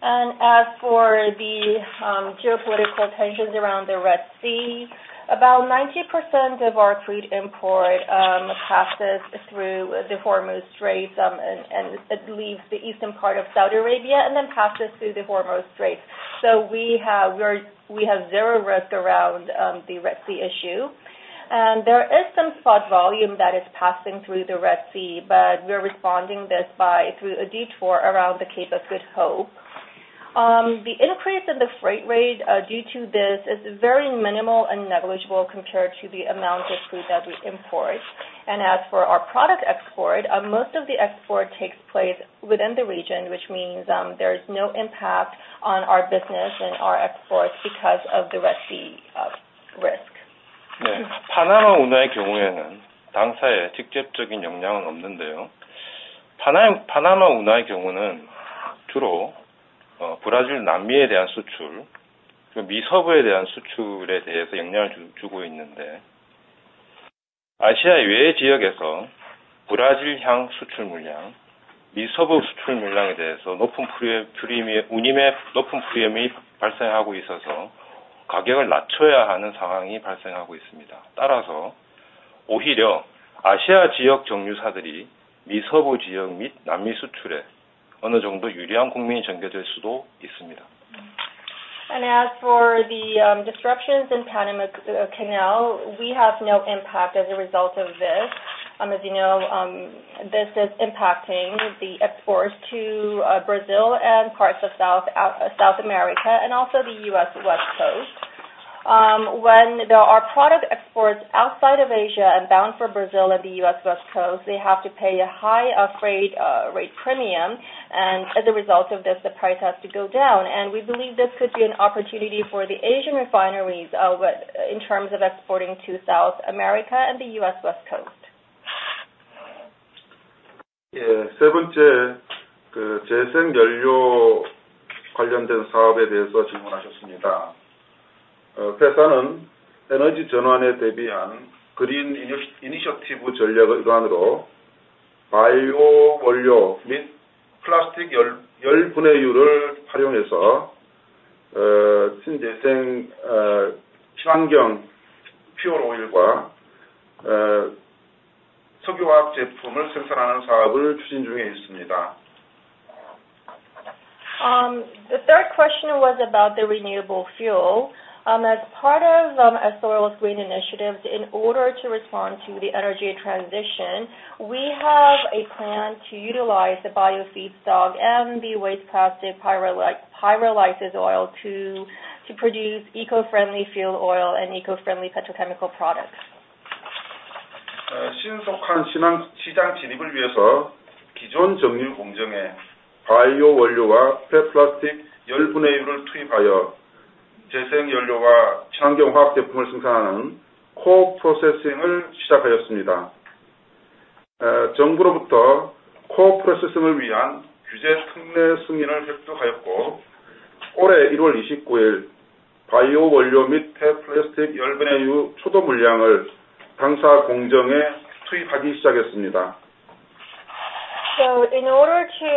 Speaker 4: As for the geopolitical tensions around the Red Sea, about 90% of our crude import passes through the Hormuz Strait and leaves the eastern part of Saudi Arabia and then passes through the Hormuz Strait. We have zero risk around the Red Sea issue. There is some spot volume that is passing through the Red Sea, but we're responding this through a detour around the Cape of Good Hope. The increase in the freight rate due to this is very minimal and negligible compared to the amount of crude that we import. As for our product export, most of the export takes place within the region, which means there is no impact on our business and our exports because of the Red Sea risk.
Speaker 2: 네, 파나마 운하의 경우에는 당사에 직접적인 영향은 없는데요. 파나마 운하의 경우는 주로 브라질 남미에 대한 수출 및미 서부에 대한 수출에 대해서 영향을 주고 있는데, 아시아 이외 지역에서 브라질향 수출 물량, 미 서부 수출 물량에 대해서 운임에 높은 프리미엄이 발생하고 있어서 가격을 낮춰야 하는 상황이 발생하고 있습니다. 따라서 오히려 아시아 지역 정유사들이 미 서부 지역 및 남미 수출에 어느 정도 유리한 국면이 전개될 수도 있습니다.
Speaker 4: As for the disruptions in Panama Canal, we have no impact as a result of this. As you know, this is impacting the exports to Brazil and parts of South America and also the U.S. West Coast. When there are product exports outside of Asia and bound for Brazil and the U.S. West Coast, they have to pay a high freight rate premium. As a result of this, the price has to go down. We believe this could be an opportunity for the Asian refineries in terms of exporting to South America and the U.S. West Coast.
Speaker 2: 세 번째, 재생 연료 관련된 사업에 대해서 질문하셨습니다. 회사는 에너지 전환에 대비한 그린 이니셔티브 전략의 일환으로 바이오 원료 및 플라스틱 열분해유를 활용해서 친환경 퓨어 오일과 석유화학 제품을 생산하는 사업을 추진 중에 있습니다.
Speaker 4: The third question was about the renewable fuel. As part of S-Oil's green initiatives, in order to respond to the energy transition, we have a plan to utilize the bio feedstock and the waste plastic pyrolysis oil to produce eco-friendly fuel oil and eco-friendly petrochemical products.
Speaker 2: 신속한 시장 진입을 위해서 기존 정유 공정에 바이오 원료와 폐플라스틱 열분해유를 투입하여 재생 연료와 친환경 화학 제품을 생산하는 co-processing을 시작하였습니다. 정부로부터 co-processing을 위한 규제 특례 승인을 획득하였고, 올해 1월 29일 바이오 원료 및 폐플라스틱 열분해유 초도 물량을 당사 공정에 투입하기 시작했습니다.
Speaker 4: In order to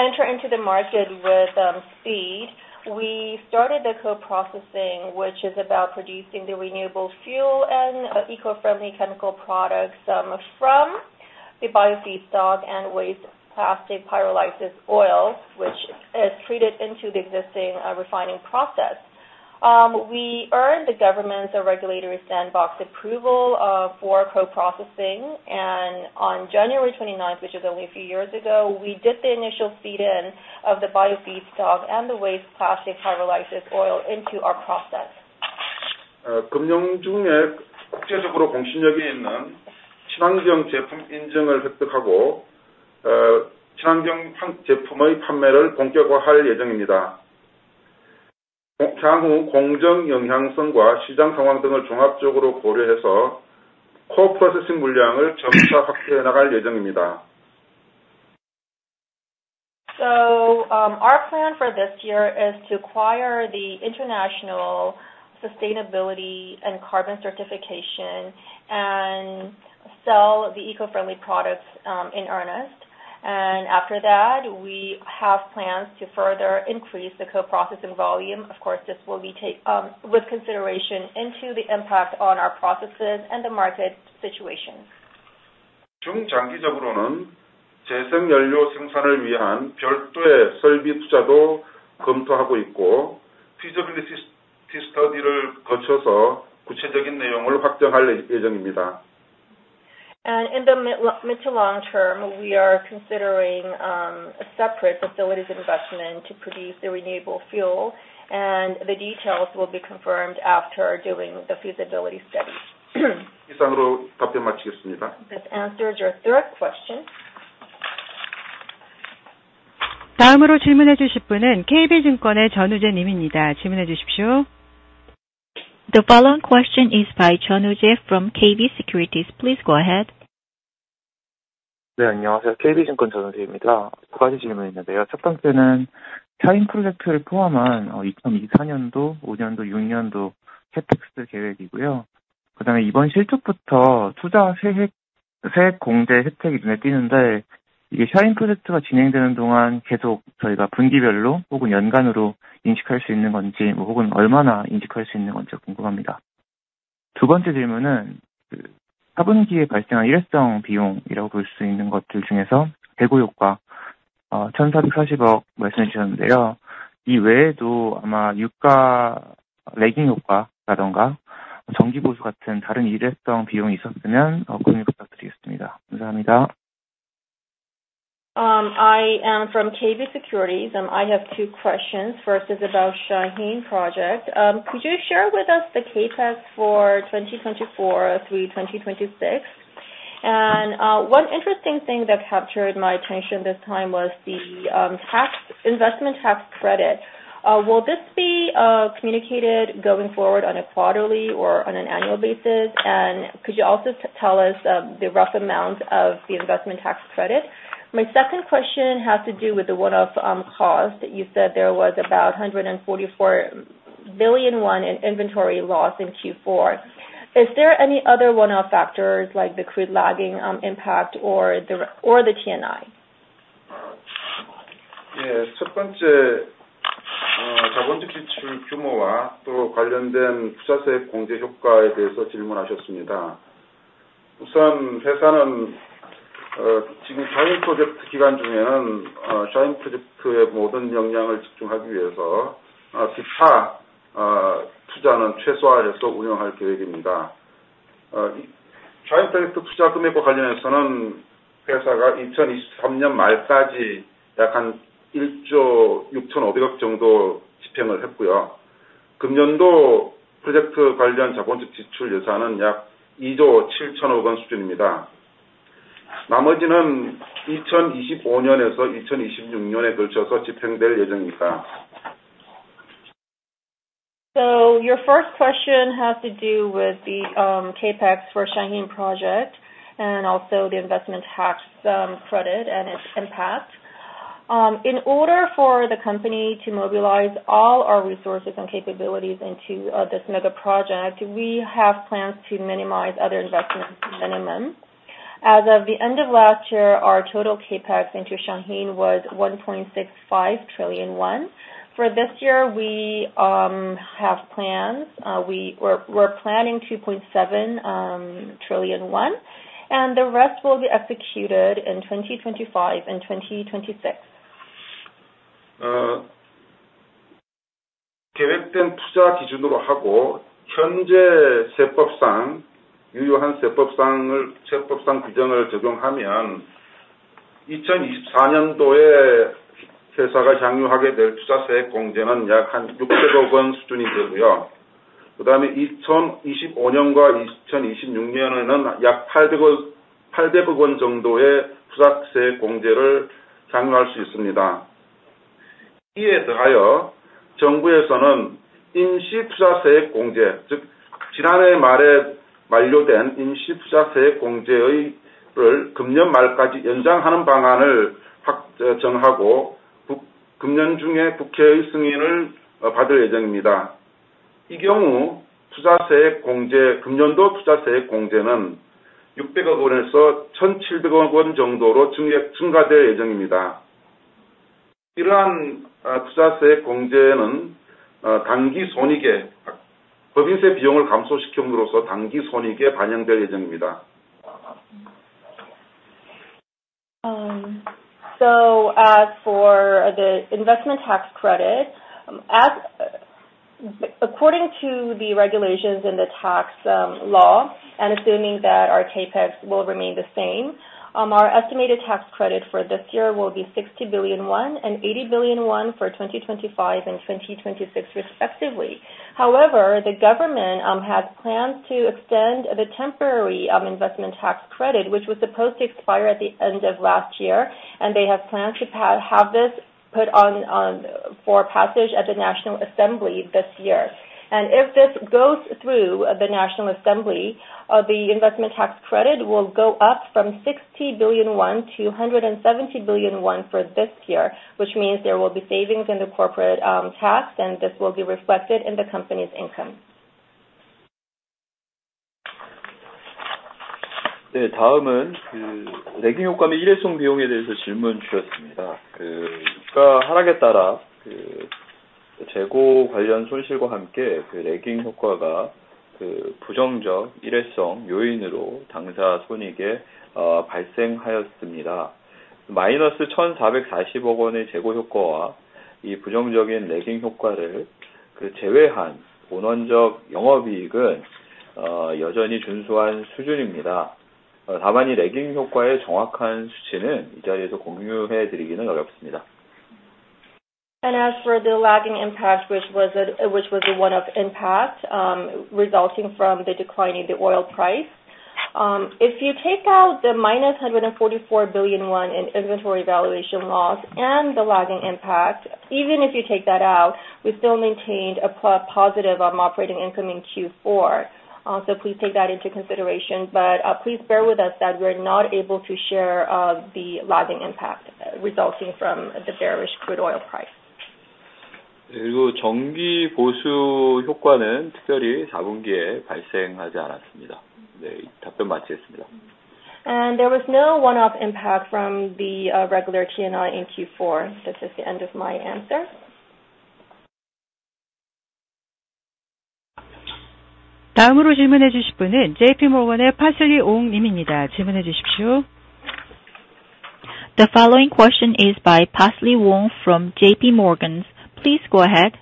Speaker 4: enter into the market with speed, we started the co-processing, which is about producing the renewable fuel and eco-friendly chemical products from the bio feedstock and waste plastic pyrolysis oil, which is treated into the existing refining process. We earned the government's regulatory sandbox approval for co-processing, and on January 29th, which is only a few years ago, we did the initial feed-in of the bio feedstock and the waste plastic pyrolysis oil into our process.
Speaker 2: 금년 중에 국제적으로 공신력 있는 친환경 제품 인증을 획득하고 친환경 제품의 판매를 본격화할 예정입니다. 향후 공정 영향성과 시장 상황 등을 종합적으로 고려해서 co-processing 물량을 점차 확대해 나갈 예정입니다.
Speaker 4: Our plan for this year is to acquire the international sustainability and carbon certification and sell the eco-friendly products in earnest. After that, we have plans to further increase the co-processing volume. Of course, this will be take with consideration into the impact on our processes and the market situation.
Speaker 8: 중장기적으로는 재생 연료 생산을 위한 별도의 설비 투자도 검토하고 있고, feasibility study를 거쳐서 구체적인 내용을 확정할 예정입니다.
Speaker 4: In the mid-to-long term, we are considering separate facilities investment to produce the renewable fuel, and the details will be confirmed after doing the feasibility study.
Speaker 8: 이상으로 답변 마치겠습니다.
Speaker 4: That answers your third question.
Speaker 3: 다음으로 질문해 주실 분은 KB증권의 전우제 님입니다. 질문해 주십시오.
Speaker 4: The following question is by 전우제 from KB Securities. Please go ahead.
Speaker 9: 네, 안녕하세요. KB증권 전우재입니다. 두 가지 질문인데요. 첫 번째는 샤힌 프로젝트를 포함한 2024년도, 2025년도, 2026년도 CAPEX 계획이고요. 그다음에 이번 실적부터 투자 세액 공제 혜택이 눈에 띄는데 이게 샤힌 프로젝트가 진행되는 동안 계속 저희가 분기별로 혹은 연간으로 인식할 수 있는 건지, 혹은 얼마나 인식할 수 있는 건지가 궁금합니다. 두 번째 질문은 4분기에 발생한 일회성 비용이라고 볼수 있는 것들 중에서 대고효과 1,440억 말씀해 주셨는데요. 이 외에도 아마 유가 래깅 효과라든가 정기 보수 같은 다른 일회성 비용이 있었으면 공유 부탁드리겠습니다. 감사합니다.
Speaker 4: I am from KB Securities, and I have two questions. First is about Shaheen Project. Could you share with us the CAPEX for 2024 through 2026? One interesting thing that captured my attention this time was the investment tax credit. Will this be communicated going forward on a quarterly or on an annual basis? Could you also tell us the rough amount of the investment tax credit? My second question has to do with the one-off cost. You said there was about 144 billion in inventory loss in Q4. Is there any other one-off factors like the crude lagging impact or the T&I?
Speaker 8: 네, 첫 번째 자본지출 규모와 또 관련된 투자세액 공제 효과에 대해서 질문하셨습니다. 우선 회사는 지금 Shaheen Project 기간 중에는 Shaheen Project에 모든 역량을 집중하기 위해서 기타 투자는 최소화해서 운영할 계획입니다. Shaheen Project 투자 금액과 관련해서는 회사가 2023년 말까지 약 1조 6,500억원 정도 집행을 했고요. 금년도 프로젝트 관련 CAPEX 예산은 약 2조 7,000억원 수준입니다. 나머지는 2025년에서 2026년에 걸쳐서 집행될 예정입니다.
Speaker 4: Your first question has to do with the CAPEX for Shaheen Project and also the investment tax credit and its impact. In order for the company to mobilize all our resources and capabilities into this mega project, we have plans to minimize other investments to minimum. As of the end of last year, our total CAPEX into Shaheen was 1.65 trillion won. For this year, we're planning 2.7 trillion won, and the rest will be executed in 2025 and 2026.
Speaker 8: 계획된 투자 기준으로 하고 현재 유효한 세법상 규정을 적용하면 2024년도에 회사가 향유하게 될 투자세액 공제는 약 600억원 수준이 되고요. 그다음에 2025년과 2026년에는 약 800억원 정도의 투자세액 공제를 향유할 수 있습니다. 이에 더하여 정부에서는 임시 투자세액 공제, 즉 지난해 말에 만료된 임시 투자세액 공제를 금년 말까지 연장하는 방안을 정하고 금년 중에 국회의 승인을 받을 예정입니다. 이 경우 금년도 투자세액 공제는 600억원에서 1,700억원 정도로 증가될 예정입니다. 이러한 투자세액 공제는 법인세 비용을 감소시킴으로써 당기 손익에 반영될 예정입니다.
Speaker 4: As for the investment tax credit, according to the regulations in the tax law, and assuming that our CAPEX will remain the same, our estimated tax credit for this year will be 60 billion won and 80 billion won for 2025 and 2026 respectively. However, the government has plans to extend the temporary investment tax credit, which was supposed to expire at the end of last year, and they have plans to have this put on for passage at the National Assembly this year. If this goes through the National Assembly, the investment tax credit will go up from 60 billion won to 170 billion won for this year, which means there will be savings in the corporate tax and this will be reflected in the company's income.
Speaker 8: 네, 다음은 래깅 효과 및 일회성 비용에 대해서 질문 주셨습니다. 유가 하락에 따라 그
Speaker 2: 재고 관련 손실과 함께 래깅 효과가 부정적 일회성 요인으로 당사 손익에 발생하였습니다. -1,440억 원의 재고 효과와 부정적인 래깅 효과를 제외한 본원적 영업이익은 여전히 준수한 수준입니다. 다만 이 래깅 효과의 정확한 수치는 이 자리에서 공유해 드리기는 어렵습니다.
Speaker 4: As for the lagging impact, which was the one-off impact resulting from the decline in the oil price. If you take out the minus 144 billion in inventory valuation loss and the lagging impact, even if you take that out, we still maintained a positive operating income in Q4. Please take that into consideration. Please bear with us that we're not able to share the lagging impact resulting from the bearish crude oil price.
Speaker 2: 정기 보수 효과는 특별히 4분기에 발생하지 않았습니다. 답변 마치겠습니다.
Speaker 4: There was no one-off impact from the regular T&I in Q4. This is the end of my answer.
Speaker 3: 다음으로 질문해 주실 분은 JP Morgan의 Parsley Ong 님입니다. 질문해 주십시오.
Speaker 10: The following question is by Parsley Ong from JP Morgan. Please go ahead.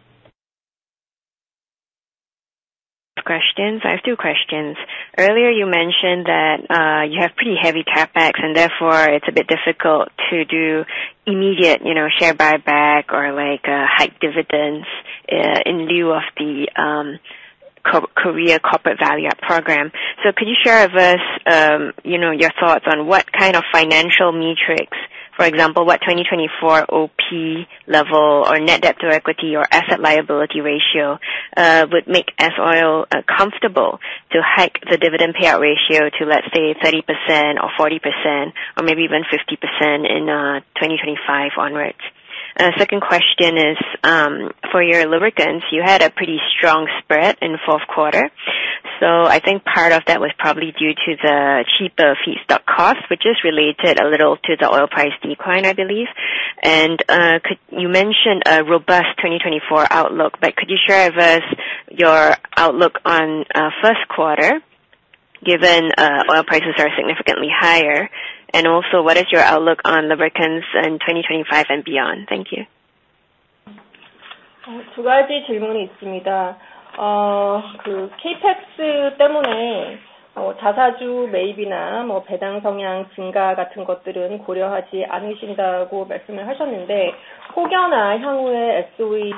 Speaker 11: Questions. I have two questions. Earlier, you mentioned that you have pretty heavy CapEx, therefore it's a bit difficult to do immediate share buyback or hike dividends in lieu of the Korea Corporate Value-up Program. Could you share with us your thoughts on what kind of financial metrics, for example, what 2024 OP level or net debt to equity or asset liability ratio would make S-Oil comfortable to hike the dividend payout ratio to, let's say, 30% or 40%, or maybe even 50% in 2025 onwards. Second question is for your lubricants. You had a pretty strong spread in the fourth quarter. I think part of that was probably due to the cheaper feedstock cost, which is related a little to the oil price decline, I believe. You mentioned a robust 2024 outlook, could you share with us your outlook on first quarter, given oil prices are significantly higher? Also, what is your outlook on lubricants in 2025 and beyond? Thank you.
Speaker 4: 두 가지 질문이 있습니다. CAPEX 때문에 자사주 매입이나 배당성향 증가 같은 것들은 고려하지 않으신다고 말씀을 하셨는데, 혹여나 향후에 S-Oil이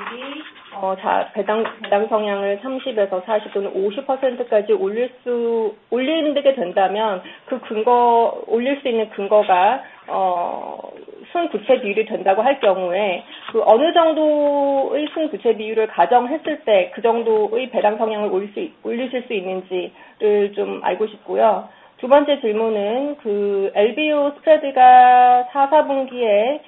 Speaker 4: 배당성향을 30에서 40 또는 50%까지 올리게 된다면, 그 올릴 수 있는 근거가 순부채비율이 된다고 할 경우에 어느 정도의 순부채비율을 가정했을 때그 정도의 배당성향을 올리실 수 있는지를 알고 싶고요. 두 번째 질문은 LBO 스프레드가 4사분기에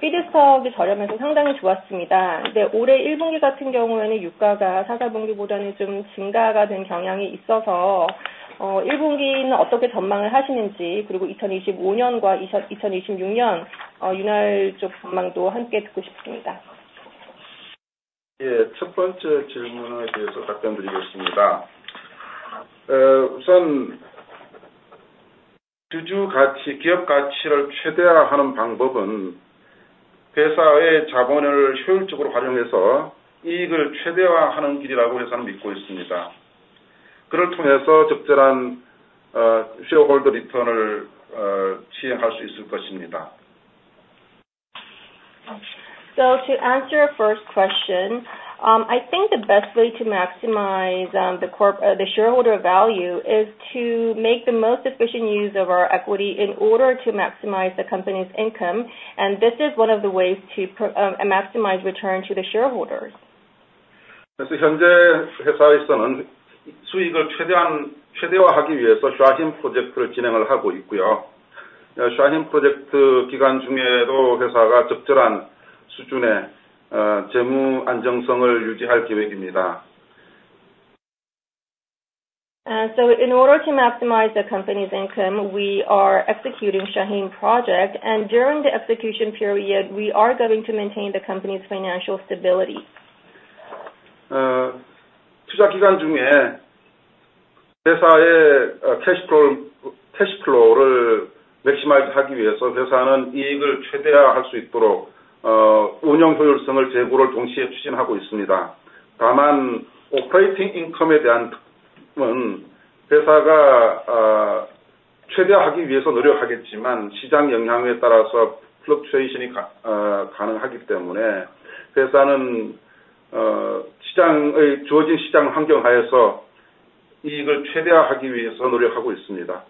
Speaker 4: 피드스톡이 저렴해서 상당히 좋았습니다. 근데 올해 1분기 같은 경우에는 유가가 4사분기보다는 증가가 된 경향이 있어서 1분기는 어떻게 전망을 하시는지, 그리고 2025년과 2026년 윤활유 전망도 함께 듣고 싶습니다.
Speaker 2: 첫 번째 질문에 대해서 답변드리겠습니다. 우선 주주가치, 기업가치를 최대화하는 방법은 회사의 자본을 효율적으로 활용해서 이익을 최대화하는 길이라고 회사는 믿고 있습니다. 그를 통해서 적절한 shareholder return을 시행할 수 있을 것입니다.
Speaker 4: To answer your first question, I think the best way to maximize the shareholder value is to make the most efficient use of our equity in order to maximize the company's income. This is one of the ways to maximize return to the shareholders.
Speaker 2: 현재 회사에서는 수익을 최대화하기 위해서 Shaheen 프로젝트를 진행하고 있고요. Shaheen 프로젝트 기간 중에도 회사가 적절한 수준의 재무 안정성을 유지할 계획입니다.
Speaker 4: In order to maximize the company's income, we are executing Shaheen Project, and during the execution period, we are going to maintain the company's financial stability.
Speaker 2: 투자 기간 중에 회사의 cash flow를 maximize 하기 위해서 회사는 이익을 최대화할 수 있도록 운영 효율성을 제고를 동시에 추진하고 있습니다. 다만 operating income에 대한 것은 회사가 최대화하기 위해서 노력하겠지만, 시장 영향에 따라서 fluctuation이 가능하기 때문에 회사는 주어진 시장 환경하에서 이익을 최대화하기 위해서 노력하고 있습니다.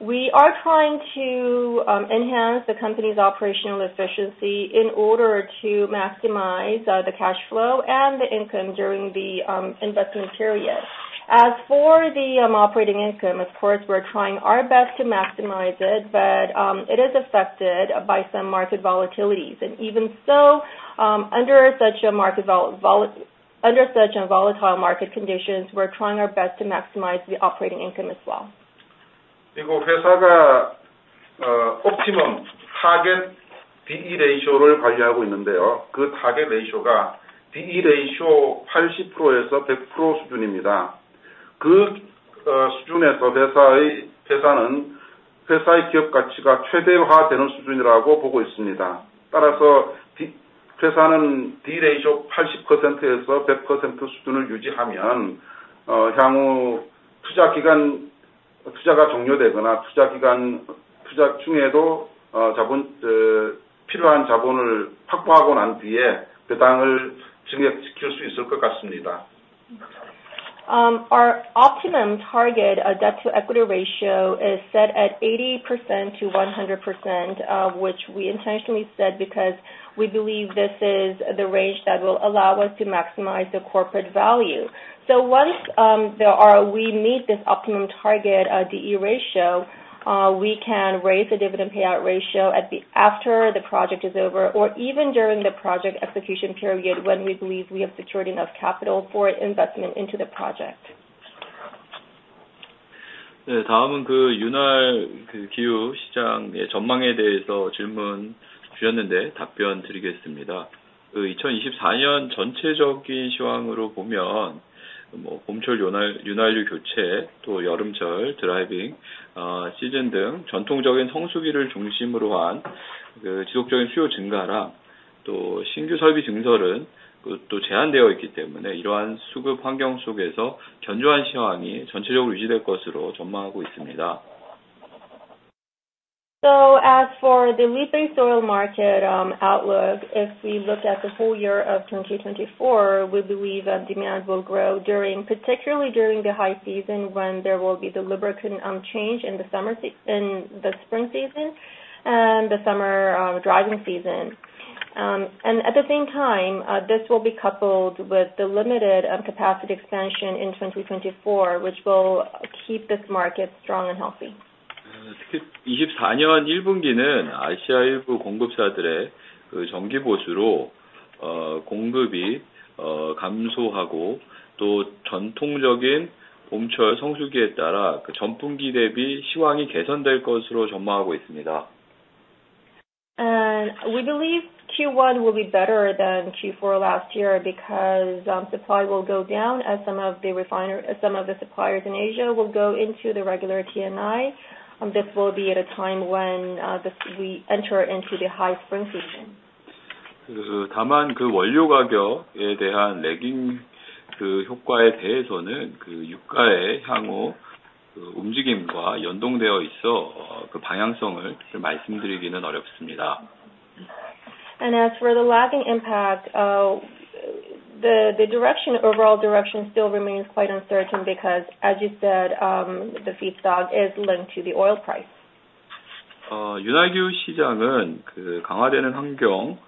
Speaker 4: We are trying to enhance the company's operational efficiency in order to maximize the cash flow and the income during the investment period. As for the operating income, of course, we're trying our best to maximize it, but it is affected by some market volatilities. Even so, under such a volatile market conditions, we're trying our best to maximize the operating income as well.
Speaker 2: 그리고 회사가 optimum target DE ratio를 관리하고 있는데요. 그 target ratio가 DE ratio 80%에서 100% 수준입니다. 그 수준에서 회사는 회사의 기업 가치가 최대화되는 수준이라고 보고 있습니다. 따라서 회사는 DE ratio 80%에서 100% 수준을 유지하면 향후 투자 기간 투자가 종료되거나, 투자 기간 투자 중에도 필요한 자본을 확보하고 난 뒤에 배당을 증액시킬 수 있을 것 같습니다.
Speaker 4: Our optimum target Debt-to-Equity ratio is set at 80%-100%, which we intentionally said because we believe this is the range that will allow us to maximize the corporate value. Once we meet this optimum target DE ratio, we can raise the dividend payout ratio after the project is over, or even during the project execution period when we believe we have secured enough capital for investment into the project.
Speaker 10: 다음은 윤활기유 시장의 전망에 대해서 질문 주셨는데 답변드리겠습니다. 2024년 전체적인 시황으로 보면, 봄철 윤활유 교체, 여름철 드라이빙 시즌 등 전통적인 성수기를 중심으로 한 지속적인 수요 증가랑, 신규 설비 증설은 제한되어 있기 때문에 이러한 수급 환경 속에서 견조한 시황이 전체적으로 유지될 것으로 전망하고 있습니다.
Speaker 4: As for the Lube Base Oil market outlook, if we look at the whole year of 2024, we believe that demand will grow particularly during the high season when there will be the lubricant change in the spring season and the summer driving season. At the same time, this will be coupled with the limited capacity expansion in 2024, which will keep this market strong and healthy.
Speaker 10: 24년 1분기는 아시아 일부 공급자들의 정기 보수로 공급이 감소하고, 전통적인 봄철 성수기에 따라 전분기 대비 시황이 개선될 것으로 전망하고 있습니다.
Speaker 4: We believe Q1 will be better than Q4 last year because supply will go down as some of the suppliers in Asia will go into the regular T&I. This will be at a time when we enter into the high spring season.
Speaker 10: 다만 원료 가격에 대한 lagging 효과에 대해서는 유가의 향후 움직임과 연동되어 있어 방향성을 말씀드리기는 어렵습니다.
Speaker 4: As for the lagging impact, the overall direction still remains quite uncertain because as you said, the feedstock is linked to the oil price.
Speaker 10: 윤활유 시장은 강화되는 환경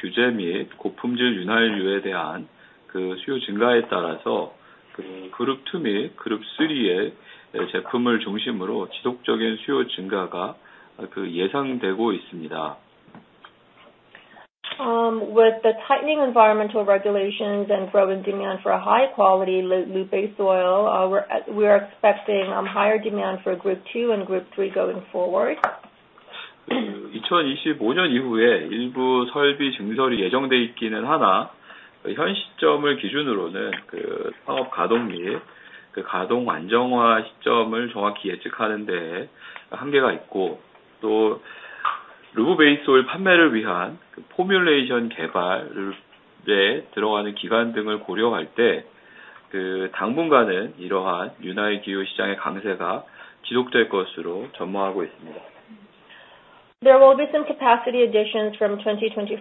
Speaker 10: 규제 및 고품질 윤활유에 대한 수요 증가에 따라서 Group II 및 Group III의 제품을 중심으로 지속적인 수요 증가가 예상되고 있습니다.
Speaker 4: With the tightening environmental regulations and growing demand for a high-quality Lube Base Oil, we are expecting higher demand for Group II and Group III going forward.
Speaker 10: 2025년 이후에 일부 설비 증설이 예정되어 있기는 하나, 현시점을 기준으로는 사업 가동 및 가동 안정화 시점을 정확히 예측하는 데 한계가 있고, 또 LBO 판매를 위한 formulation 개발에 들어가는 기간 등을 고려할 때 당분간은 이러한 윤활유 시장의 강세가 지속될 것으로 전망하고 있습니다.
Speaker 4: There will be some capacity additions from 2025.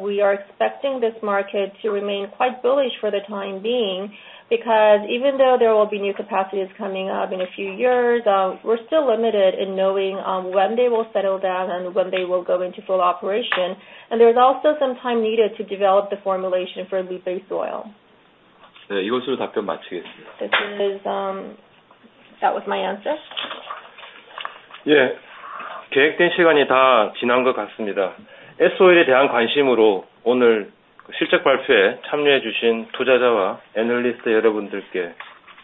Speaker 4: We are expecting this market to remain quite bullish for the time being, because even though there will be new capacities coming up in a few years, we're still limited in knowing when they will settle down and when they will go into full operation. There's also some time needed to develop the formulation for lube base oil.
Speaker 10: 이것으로 답변 마치겠습니다.
Speaker 4: That was my answer.
Speaker 2: 계획된 시간이 다 지난 것 같습니다. S-Oil에 대한 관심으로 오늘 실적 발표에 참여해 주신 투자자와 애널리스트 여러분들께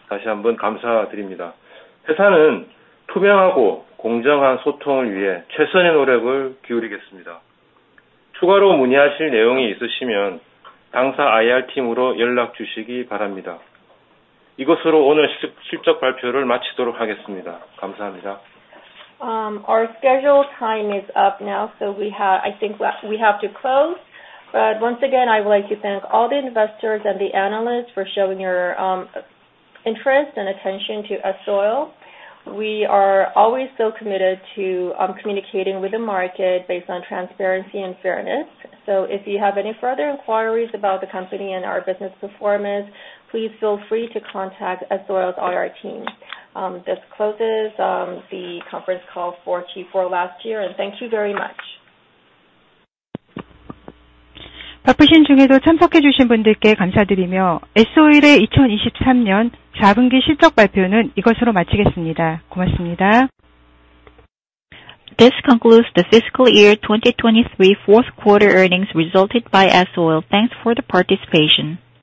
Speaker 2: 다시 한번 감사드립니다. 회사는 투명하고 공정한 소통을 위해 최선의 노력을 기울이겠습니다. 추가로 문의하실 내용이 있으시면 당사 IR팀으로 연락 주시기 바랍니다. 이것으로 오늘 실적 발표를 마치도록 하겠습니다. 감사합니다.
Speaker 4: Our scheduled time is up now, I think we have to close. Once again, I would like to thank all the investors and the analysts for showing your interest and attention to S-Oil. We are always so committed to communicating with the market based on transparency and fairness. If you have any further inquiries about the company and our business performance, please feel free to contact S-Oil's IR team. This closes the conference call for Q4 last year. Thank you very much.
Speaker 3: 바쁘신 중에도 참석해 주신 분들께 감사드리며, S-Oil의 2023년 4분기 실적 발표는 이것으로 마치겠습니다. 고맙습니다.
Speaker 10: This concludes the fiscal year 2023 fourth quarter earnings resulted by S-Oil. Thanks for the participation.